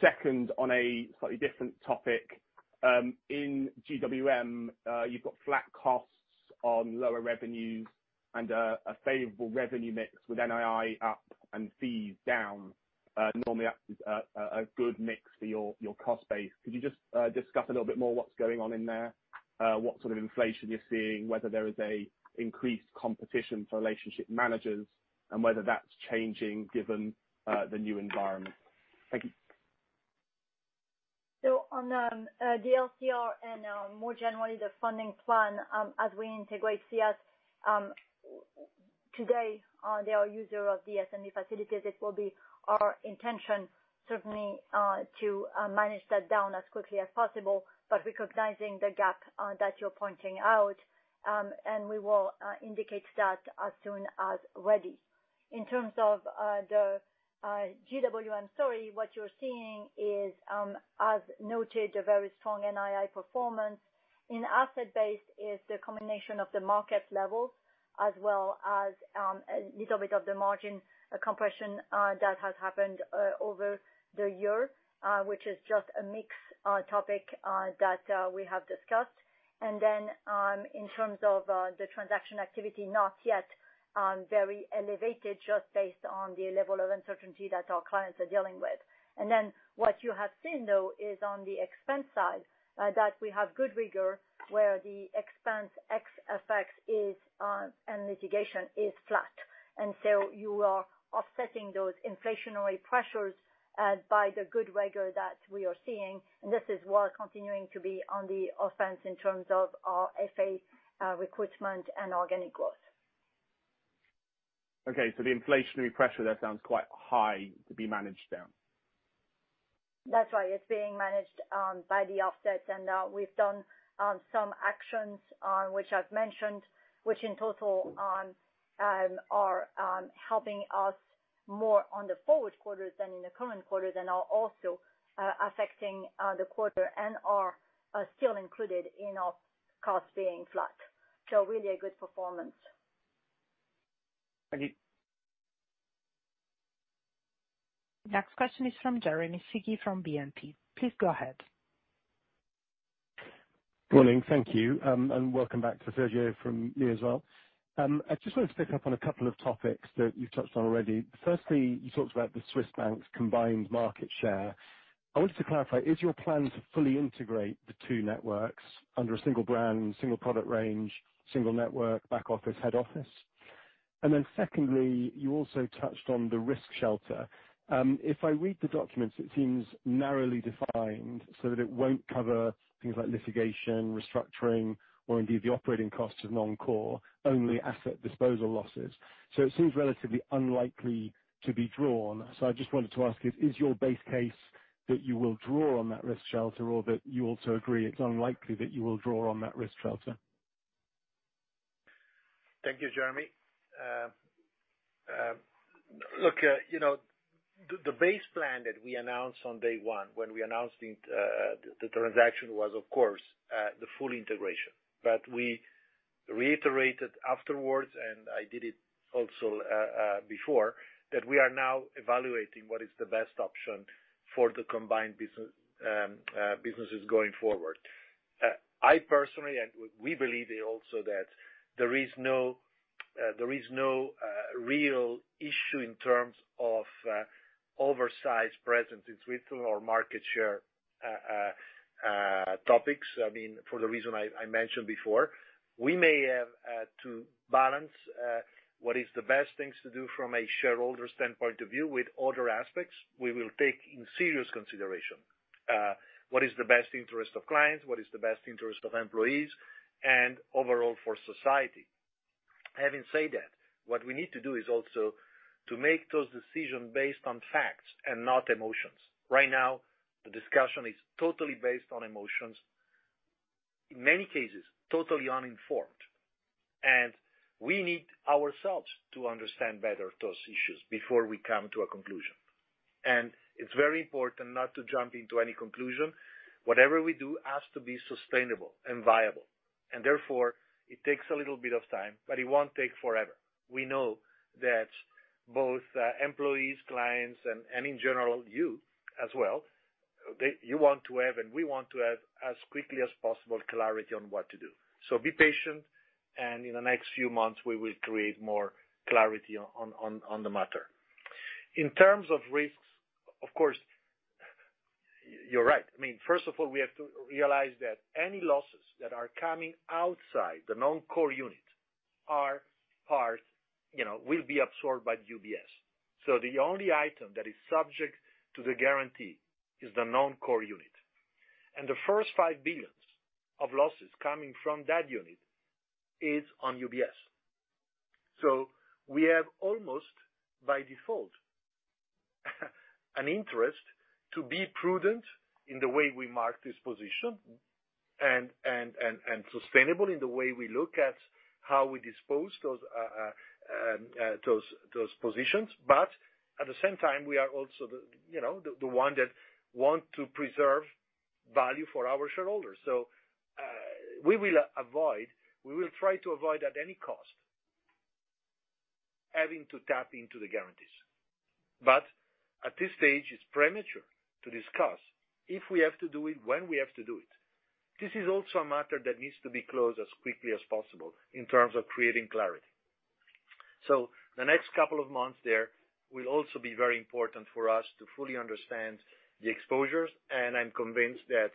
Second, on a slightly different topic, in GWM, you've got flat costs on lower revenues and a favorable revenue mix with NII up and fees down. Normally that is a good mix for your cost base. Could you just discuss a little bit more what's going on in there? What sort of inflation you're seeing, whether there is a increased competition for relationship managers and whether that's changing given the new environment. Thank you. On the LCR and more generally the funding plan, as we integrate CS, today they are user of the SNB facilities. It will be our intention certainly to manage that down as quickly as possible, but recognizing the gap that you're pointing out, and we will indicate that as soon as ready. In terms of the GWM story, what you're seeing is, as noted, a very strong NII performance. In asset base is the combination of the market levels as well as a little bit of the margin compression that has happened over the year, which is just a mix topic that we have discussed. In terms of the transaction activity, not yet very elevated, just based on the level of uncertainty that our clients are dealing with. What you have seen though is on the expense side, that we have good rigor where the expense FX effects is, and mitigation is flat. You are offsetting those inflationary pressures, by the good rigor that we are seeing, and this is while continuing to be on the offense in terms of our FA recruitment and organic growth. Okay, the inflationary pressure there sounds quite high to be managed down. That's right. It's being managed by the offset. We've done some actions, which I've mentioned, which in total, are helping us more on the forward quarters than in the current quarter than are also affecting the quarter and are still included in our costs being flat. Really a good performance. Thank you. Next question is from Jeremy Sigee from BNP. Please go ahead. Morning. Thank you, and welcome back to Sergio Ermotti from me as well. I just wanted to pick up on a couple of topics that you've touched on already. Firstly, you talked about the Swiss banks combined market share. I wanted to clarify, is your plan to fully integrate the two networks under a single brand, single product range, single network, back office, head office? Secondly, you also touched on the risk shelter. If I read the documents, it seems narrowly defined so that it won't cover things like litigation, restructuring or indeed the operating costs of non-core, only asset disposal losses. It seems relatively unlikely to be drawn. I just wanted to ask you, is your base case that you will draw on that risk shelter or that you also agree it's unlikely that you will draw on that risk shelter? Thank you, Jeremy. look, you know, the base plan that we announced on day one when we announced the transaction was of course, the full integration. We reiterated afterwards, and I did it also before, that we are now evaluating what is the best option for the combined businesses going forward. I personally, and we believe also that there is no real issue in terms of oversized presence in Switzerland or market share topics, I mean, for the reason I mentioned before. We may have to balance what is the best things to do from a shareholder standpoint of view with other aspects we will take in serious consideration. What is the best interest of clients, what is the best interest of employees and overall for society. Having said that, what we need to do is also to make those decisions based on facts and not emotions. Right now, the discussion is totally based on emotions, in many cases, totally uninformed. We need ourselves to understand better those issues before we come to a conclusion. It's very important not to jump into any conclusion. Whatever we do has to be sustainable and viable, and therefore it takes a little bit of time, but it won't take forever. We know that both employees, clients, and in general, you as well, that you want to have and we want to have as quickly as possible clarity on what to do. Be patient, and in the next few months, we will create more clarity on the matter. In terms of risks, of course, you're right. I mean, first of all, we have to realize that any losses that are coming outside the non-core unit are, you know, will be absorbed by UBS. The only item that is subject to the guarantee is the non-core unit. The first $5 billion of losses coming from that unit is on UBS. We have almost by default, an interest to be prudent in the way we mark this position and sustainable in the way we look at how we dispose those positions. At the same time, we are also you know, the one that want to preserve value for our shareholders. We will avoid... We will try to avoid at any cost, having to tap into the guarantees. At this stage, it's premature to discuss if we have to do it, when we have to do it. This is also a matter that needs to be closed as quickly as possible in terms of creating clarity. The next couple of months there will also be very important for us to fully understand the exposures, and I'm convinced that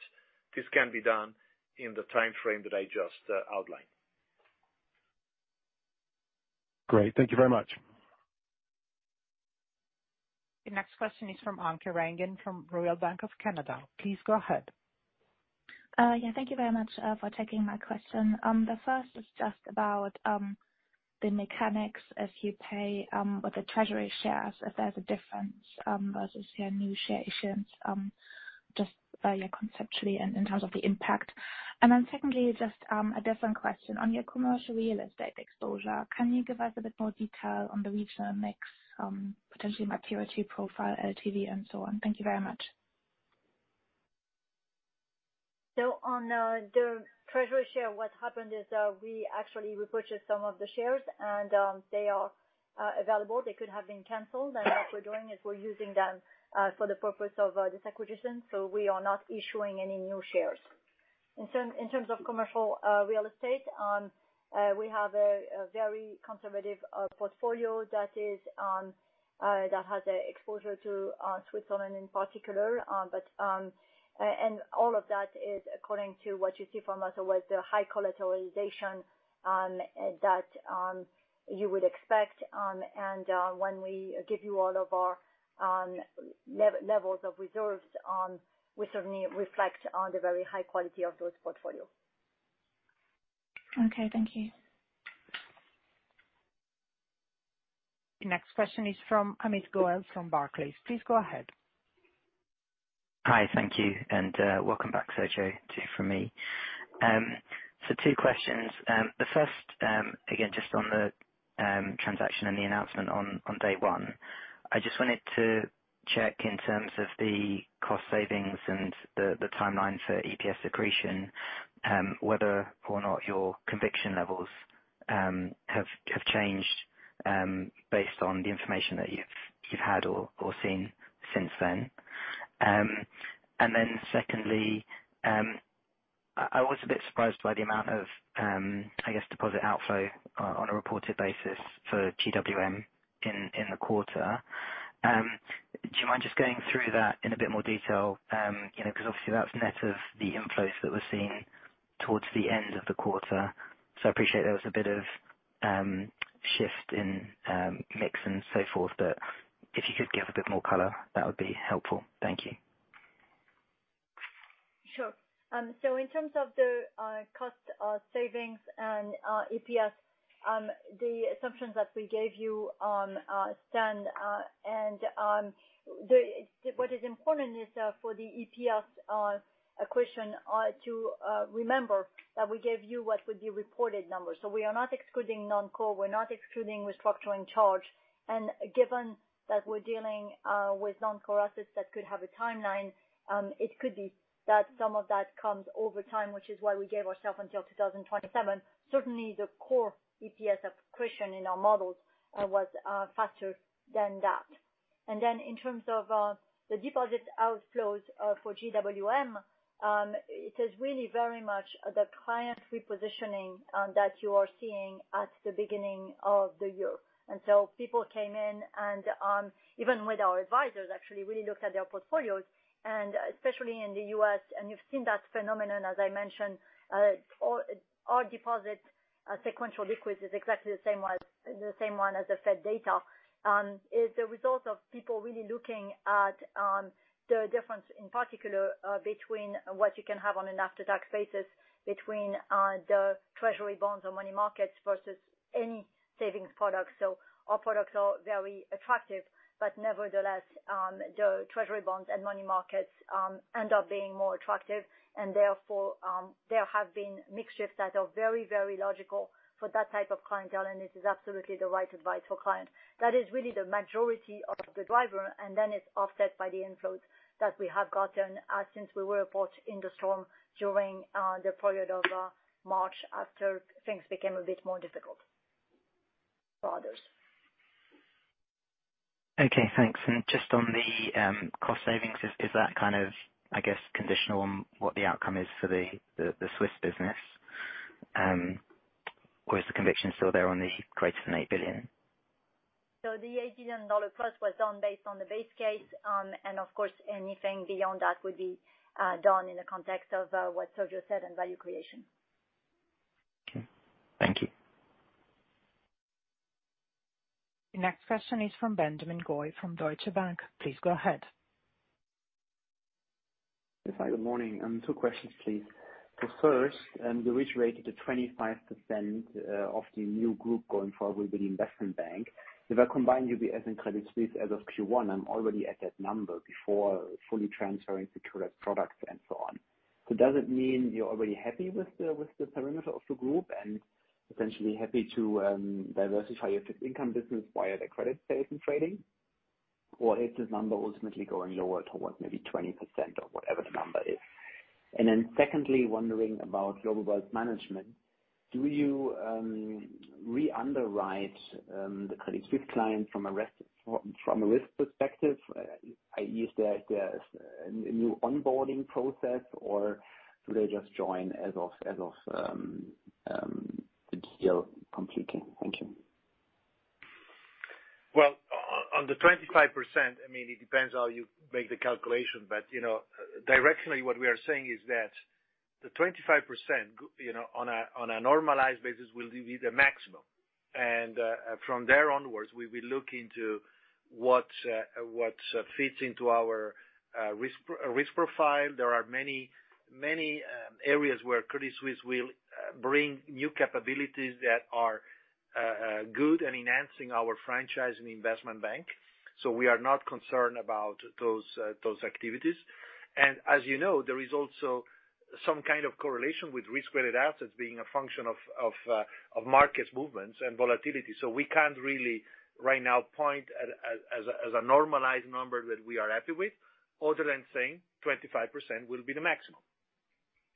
this can be done in the timeframe that I just outlined. Great. Thank you very much. The next question is from Anke Reingen from Royal Bank of Canada. Please go ahead. Yeah. Thank you very much for taking my question. The first is just about the mechanics as you pay with the treasury shares, if there's a difference versus your new share issuance, just yeah, conceptually and in terms of the impact. Secondly, just a different question on your commercial real estate exposure. Can you give us a bit more detail on the regional mix, potentially maturity profile, LTV and so on? Thank you very much. On the treasury share, what happened is we actually repurchased some of the shares and they are available. They could have been canceled. What we're doing is we're using them for the purpose of this acquisition, so we are not issuing any new shares. In terms of commercial real estate, we have a very conservative portfolio that is that has an exposure to Switzerland in particular. All of that is according to what you see from us with the high collateralization that you would expect, and when we give you all of our levels of reserves, we certainly reflect on the very high quality of those portfolio. Okay. Thank you. The next question is from Amit Goel from Barclays. Please go ahead. Hi. Thank you. Welcome back, Sergio, too from me. Two questions. The first, again, just on the transaction and the announcement on day one. I just wanted to check in terms of the cost savings and the timeline for EPS accretion, whether or not your conviction levels have changed based on the information that you've had or seen since then. Secondly, I was a bit surprised by the amount of, I guess, deposit outflow on a reported basis for GWM in the quarter. Do you mind just going through that in a bit more detail? You know, 'cause obviously, that's net of the inflows that were seen towards the end of the quarter. I appreciate there was a bit of shift in mix and so forth, but if you could give a bit more color, that would be helpful. Thank you. Sure. In terms of the cost savings and EPS, the assumptions that we gave you stand, and what is important is for the EPS accretion to remember that we gave you what would be reported numbers. We are not excluding non-core. We're not excluding restructuring charge. Given that we're dealing with non-core assets that could have a timeline, it could be that some of that comes over time, which is why we gave ourself until 2027. Certainly the core EPS accretion in our models was faster than that. In terms of the deposit outflows for GWM, it is really very much the client repositioning that you are seeing at the beginning of the year. People came in and, even with our advisors, actually, really looked at their portfolios, and especially in the U.S., and you've seen that phenomenon as I mentioned. Our, our deposit, sequential liquids is exactly the same one as the Fed data. It's a result of people really looking at the difference in particular between what you can have on an after-tax basis between the treasury bonds or money markets versus-. Any savings products. Our products are very attractive, but nevertheless, the treasury bonds and money markets end up being more attractive. Therefore, there have been mixed shifts that are very, very logical for that type of clientele. This is absolutely the right advice for client. That is really the majority of the driver, and then it's offset by the inflows that we have gotten since we were approached in the storm during the period of March, after things became a bit more difficult for others. Okay, thanks. Just on the cost savings, is that kind of, I guess, conditional on what the outcome is for the Swiss business? Or is the conviction still there on the greater than $8 billion? The $8 billion plus was done based on the base case. Of course, anything beyond that would be done in the context of what Sergio said and value creation. Okay. Thank you. Next question is from Benjamin Goy from Deutsche Bank. Please go ahead. Yes, hi, good morning. Two questions please. The first, you reiterated that 25% of the new group going forward will be the investment bank. If I combine UBS and Credit Suisse as of Q1, I'm already at that number before fully transferring securities products and so on. Does it mean you're already happy with the perimeter of the group? Essentially happy to diversify your fee income business via the credit space in trading? Is this number ultimately going lower towards maybe 20% or whatever the number is? Secondly, wondering about Global Wealth Management. Do you re-underwrite the Credit Suisse client from a risk perspective, i.e. is there a new onboarding process, or do they just join as of the deal completing? Thank you. On the 25%, I mean, it depends how you make the calculation. You know, directionally, what we are saying is that the 25% you know, on a normalized basis, will be the maximum. From there onwards, we will look into what what fits into our risk profile. There are many, many areas where Credit Suisse will bring new capabilities that are good and enhancing our franchise and Investment Bank. We are not concerned about those those activities. As you know, there is also some kind of correlation with risk-weighted assets being a function of markets movements and volatility. We can't really right now point at as a normalized number that we are happy with, other than saying 25% will be the maximum,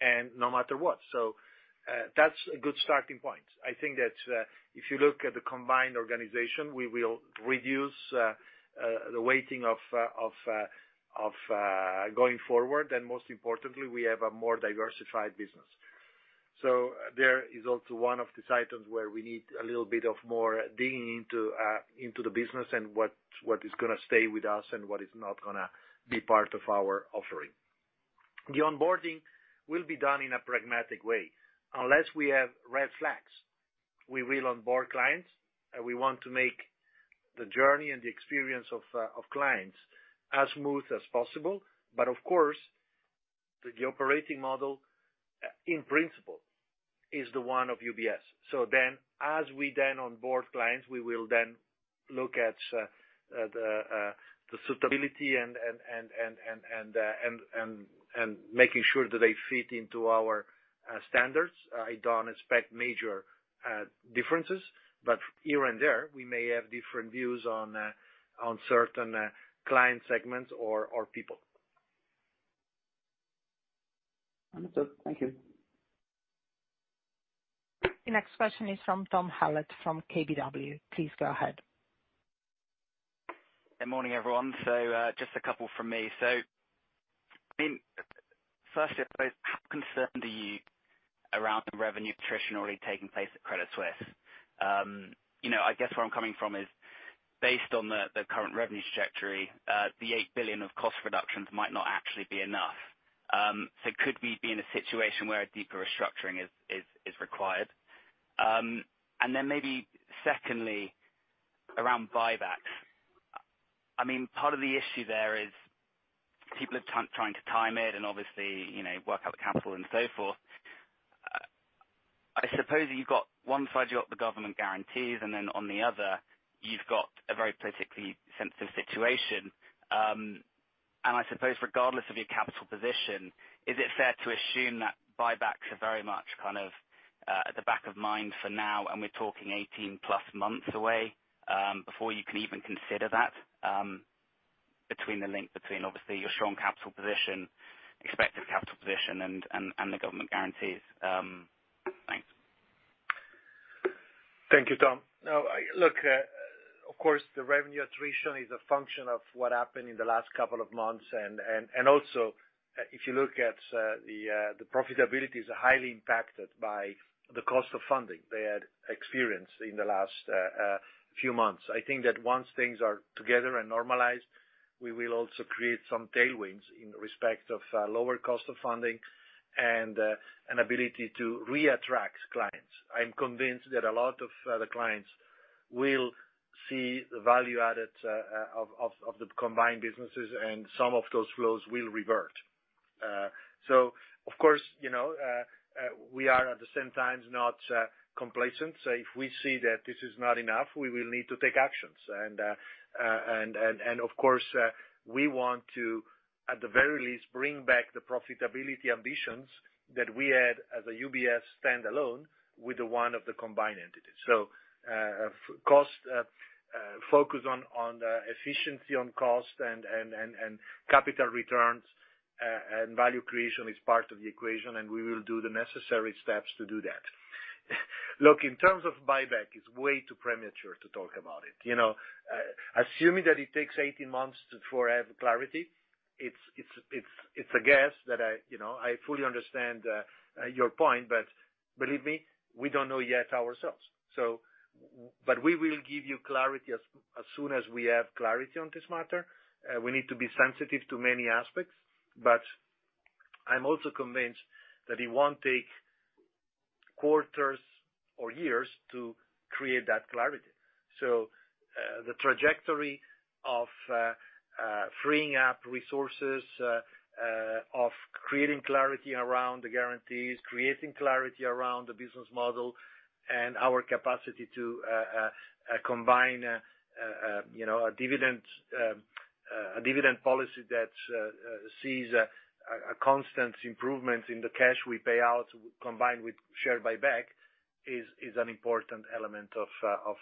and no matter what. That's a good starting point. I think that if you look at the combined organization, we will reduce the weighting of going forward. Most importantly, we have a more diversified business. There is also one of these items where we need a little bit of more digging into the business and what is gonna stay with us and what is not gonna be part of our offering. The onboarding will be done in a pragmatic way. Unless we have red flags, we will onboard clients. We want to make the journey and the experience of clients as smooth as possible. Of course, the operating model in principle is the one of UBS. As we then onboard clients, we will then look at the suitability and making sure that they fit into our standards. I don't expect major differences, but here and there, we may have different views on certain client segments or people. Understood. Thank you. The next question is from Thomas Hallett from KBW. Please go ahead. Good morning, everyone. Just a couple from me. I mean, first, I suppose, how concerned are you around the revenue attrition already taking place at Credit Suisse? You know, I guess where I'm coming from is based on the current revenue trajectory, the $8 billion of cost reductions might not actually be enough. Could we be in a situation where a deeper restructuring is required? Then maybe secondly, around buybacks. I mean, part of the issue there is people are trying to time it and obviously, you know, work out the capital and so forth. I suppose you've got one side, you got the government guarantees, and then on the other, you've got a very politically sensitive situation. I suppose regardless of your capital position, is it fair to assume that buybacks are very much kind of, at the back of mind for now, and we're talking 18+ months away, before you can even consider that, between the link between obviously your strong capital position, expected capital position and, and the government guarantees? Thanks. Thank you, Thomas. Now, look, of course, the revenue attrition is a function of what happened in the last couple of months. Also, if you look at the profitability is highly impacted by the cost of funding they had experienced in the last few months. I think that once things are together and normalized, we will also create some tailwinds in respect of lower cost of funding and an ability to re-attract clients. I'm convinced that a lot of the clients will see the value added of the combined businesses and some of those flows will revert. Of course, you know, we are at the same time not complacent. So if we see that this is not enough, we will need to take actions. Of course, we want to, at the very least, bring back the profitability ambitions that we had as a UBS standalone with the one of the combined entities. Cost focus on the efficiency on cost and capital returns and value creation is part of the equation, and we will do the necessary steps to do that. Look, in terms of buyback, it's way too premature to talk about it. You know, assuming that it takes 18 months to forever clarity, it's, it's a guess that I, you know, I fully understand your point. Believe me, we don't know yet ourselves. But we will give you clarity as soon as we have clarity on this matter. We need to be sensitive to many aspects. I'm also convinced that it won't take quarters or years to create that clarity. The trajectory of freeing up resources, of creating clarity around the guarantees, creating clarity around the business model and our capacity to combine, you know, a dividend, a dividend policy that sees a constant improvement in the cash we pay out combined with share buyback is an important element of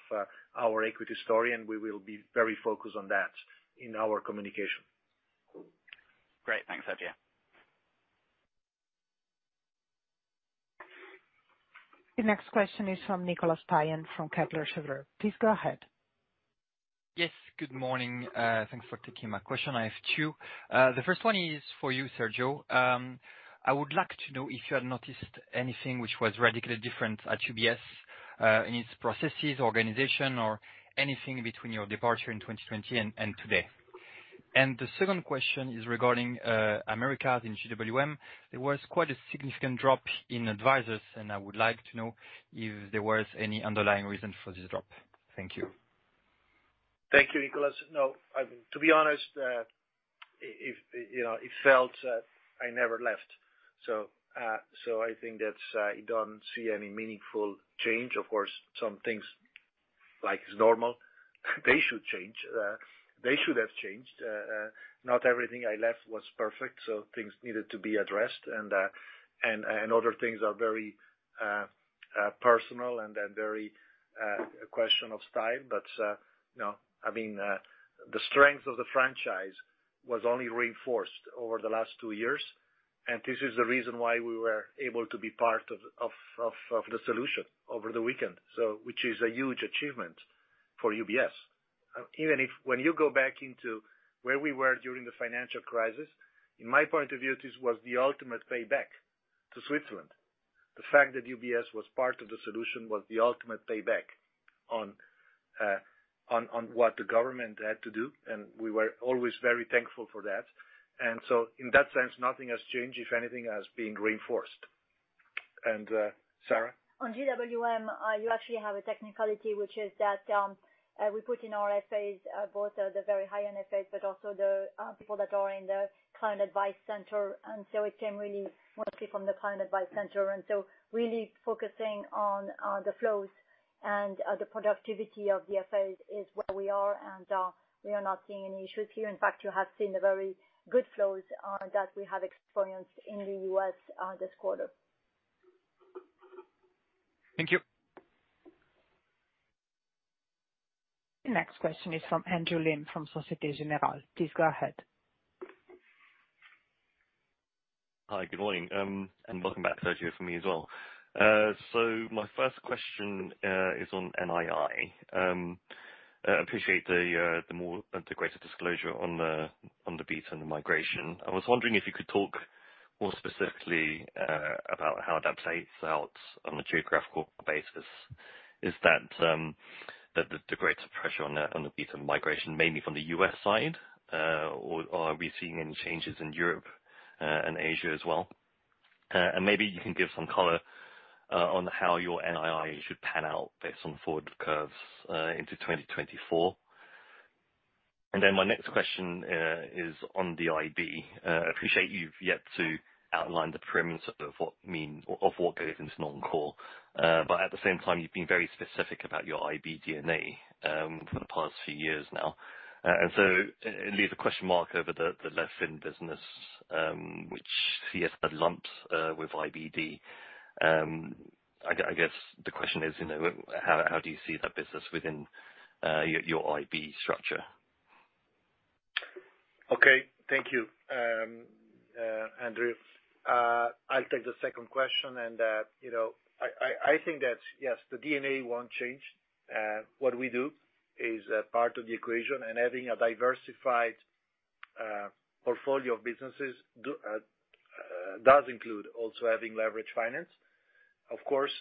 our equity story. We will be very focused on that in our communication. Great. Thanks, Sergio. The next question is from Nicolas Rey from Kepler Cheuvreux. Please go ahead. Yes, good morning. Thanks for taking my question. I have two. The first one is for you, Sergio. I would like to know if you have noticed anything which was radically different at UBS, in its processes, organization or anything between your departure in 2020 and today. The second question is regarding Americas in GWM. There was quite a significant drop in advisors, and I would like to know if there was any underlying reason for this drop. Thank you. Thank you, Nicholas. No, to be honest, if, you know, it felt, I never left, so I think that, you don't see any meaningful change. Of course, some things like is normal, they should change. They should have changed. Not everything I left was perfect, so things needed to be addressed. Other things are very personal and very a question of time. You know, I mean, the strength of the franchise was only reinforced over the last two years, and this is the reason why we were able to be part of the solution over the weekend, so which is a huge achievement for UBS. Even if when you go back into where we were during the financial crisis, in my point of view, this was the ultimate payback to Switzerland. The fact that UBS was part of the solution was the ultimate payback on what the government had to do, and we were always very thankful for that. In that sense, nothing has changed. If anything, has been reinforced. Sarah? On GWM, you actually have a technicality, which is that, we put in our FAs, both the very high-end FAs, but also the people that are in the Client Advice Center. It came really mostly from the Client Advice Center. Really focusing on the flows and the productivity of the FAs is where we are. We are not seeing any issues here. In fact, you have seen the very good flows that we have experienced in the U.S. this quarter. Thank you. The next question is from Andrew Lim from Société Générale. Please go ahead. Hi, good morning. Welcome back, Sergio, for me as well. My first question is on NII. Appreciate the more integrated disclosure on the beat and the migration. I was wondering if you could talk more specifically about how that plays out on a geographical basis. Is that the greater pressure on the beat and migration mainly from the U.S. side, or are we seeing any changes in Europe and Asia as well? Maybe you can give some color on how your NII should pan out based on forward curves into 2024. My next question is on the IBD. Appreciate you've yet to outline the perimeter of what goes into non-core. At the same time you've been very specific about your IB DNA, for the past few years now. It leaves a question mark over the LevFin business, which CS had lumped with IBD. I guess the question is, you know, how do you see that business within your IB structure? Okay. Thank you, Andrew. I'll take the second question, and, you know, I, I think that, yes, the DNA won't change. What we do is a part of the equation, and having a diversified portfolio of businesses do does include also having leveraged finance. Of course,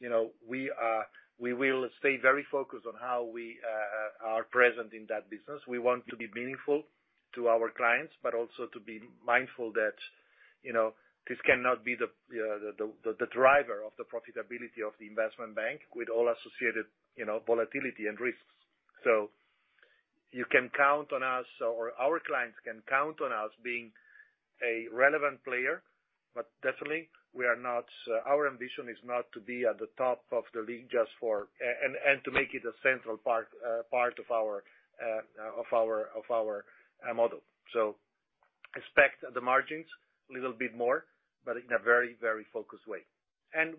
you know, we will stay very focused on how we are present in that business. We want to be meaningful to our clients, but also to be mindful that, you know, this cannot be the driver of the profitability of the investment bank with all associated, you know, volatility and risks. You can count on us, or our clients can count on us being a relevant player, but definitely we are not our ambition is not to be at the top of the league just for. And to make it a central part of our model. Expect the margins a little bit more, but in a very, very focused way.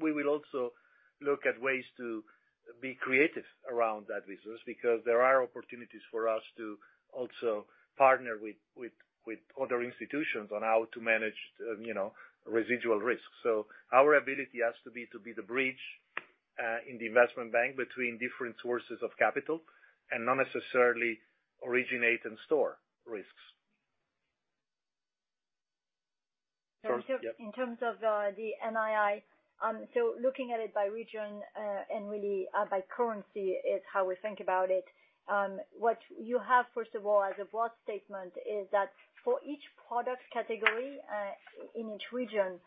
We will also look at ways to be creative around that business, because there are opportunities for us to also partner with other institutions on how to manage, you know, residual risk. Our ability has to be to be the bridge in the investment bank between different sources of capital and not necessarily originate and store risks. In terms of the NII, looking at it by region, really by currency is how we think about it. What you have, first of all, as a broad statement, is that for each product category, in each region,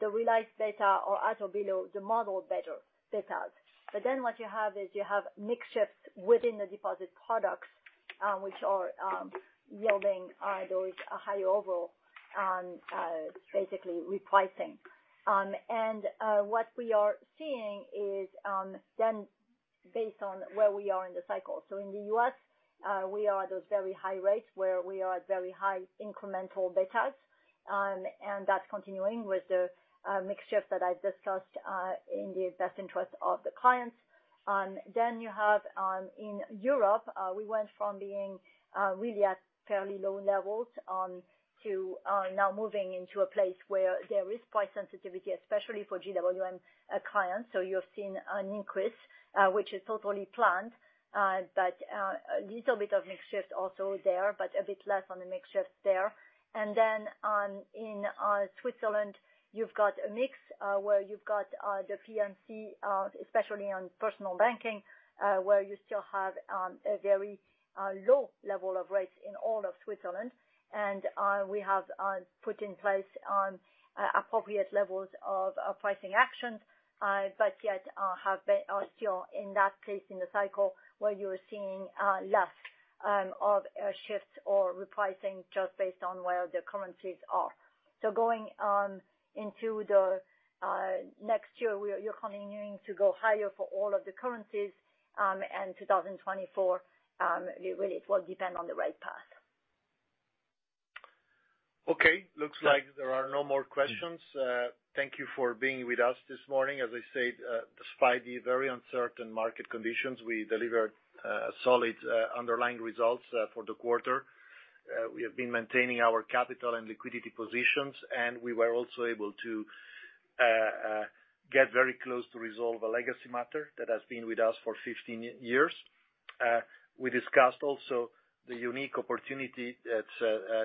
the realized data are at or below the model better details. What you have is you have mix shift within the deposit products, which are yielding those higher overall, basically repricing. What we are seeing is based on where we are in the cycle. In the U.S., we are at those very high rates where we are at very high incremental betas, and that's continuing with the mix shift that I discussed, in the best interest of the clients. You have in Europe, we went from being really at fairly low levels to now moving into a place where there is price sensitivity, especially for GWM clients. You're seeing an increase, which is totally planned, but a little bit of mix shift also there, but a bit less on the mix shift there. In Switzerland, you've got a mix where you've got the PMC, especially on personal banking, where you still have a very low level of rates in all of Switzerland. We have put in place appropriate levels of pricing actions, yet have been still in that place in the cycle where you're seeing less of shifts or repricing just based on where the currencies are. Going into the next year, you're continuing to go higher for all of the currencies, and 2024, it really will depend on the right path. Okay. Looks like there are no more questions. Thank you for being with us this morning. As I said, despite the very uncertain market conditions, we delivered solid underlying results for the quarter. We have been maintaining our capital and liquidity positions, and we were also able to get very close to resolve a legacy matter that has been with us for 15 years. We discussed also the unique opportunity that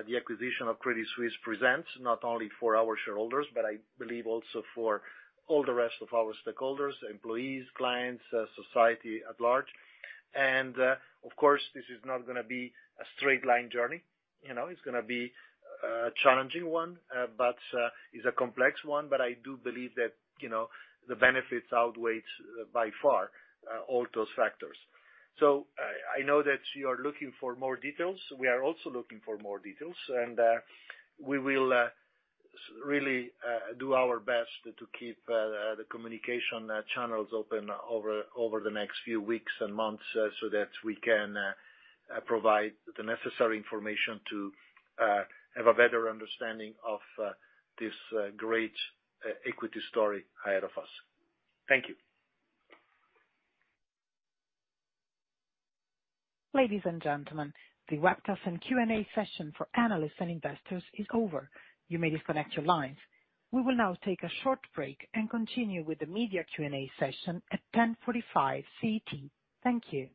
the acquisition of Credit Suisse presents, not only for our shareholders, but I believe also for all the rest of our stakeholders, employees, clients, society at large. Of course, this is not gonna be a straight line journey. You know, it's gonna be a challenging one, but it's a complex one, but I do believe that, you know, the benefits outweighs by far all those factors. I know that you are looking for more details. We are also looking for more details, and we will really do our best to keep the communication channels open over the next few weeks and months, so that we can provide the necessary information to have a better understanding of this great equity story ahead of us. Thank you. Ladies and gentlemen, the webcast and Q and A session for analysts and investors is over. You may disconnect your lines. We will now take a short break and continue with the media Q and A session at 10:45 A.M. CEST. Thank you.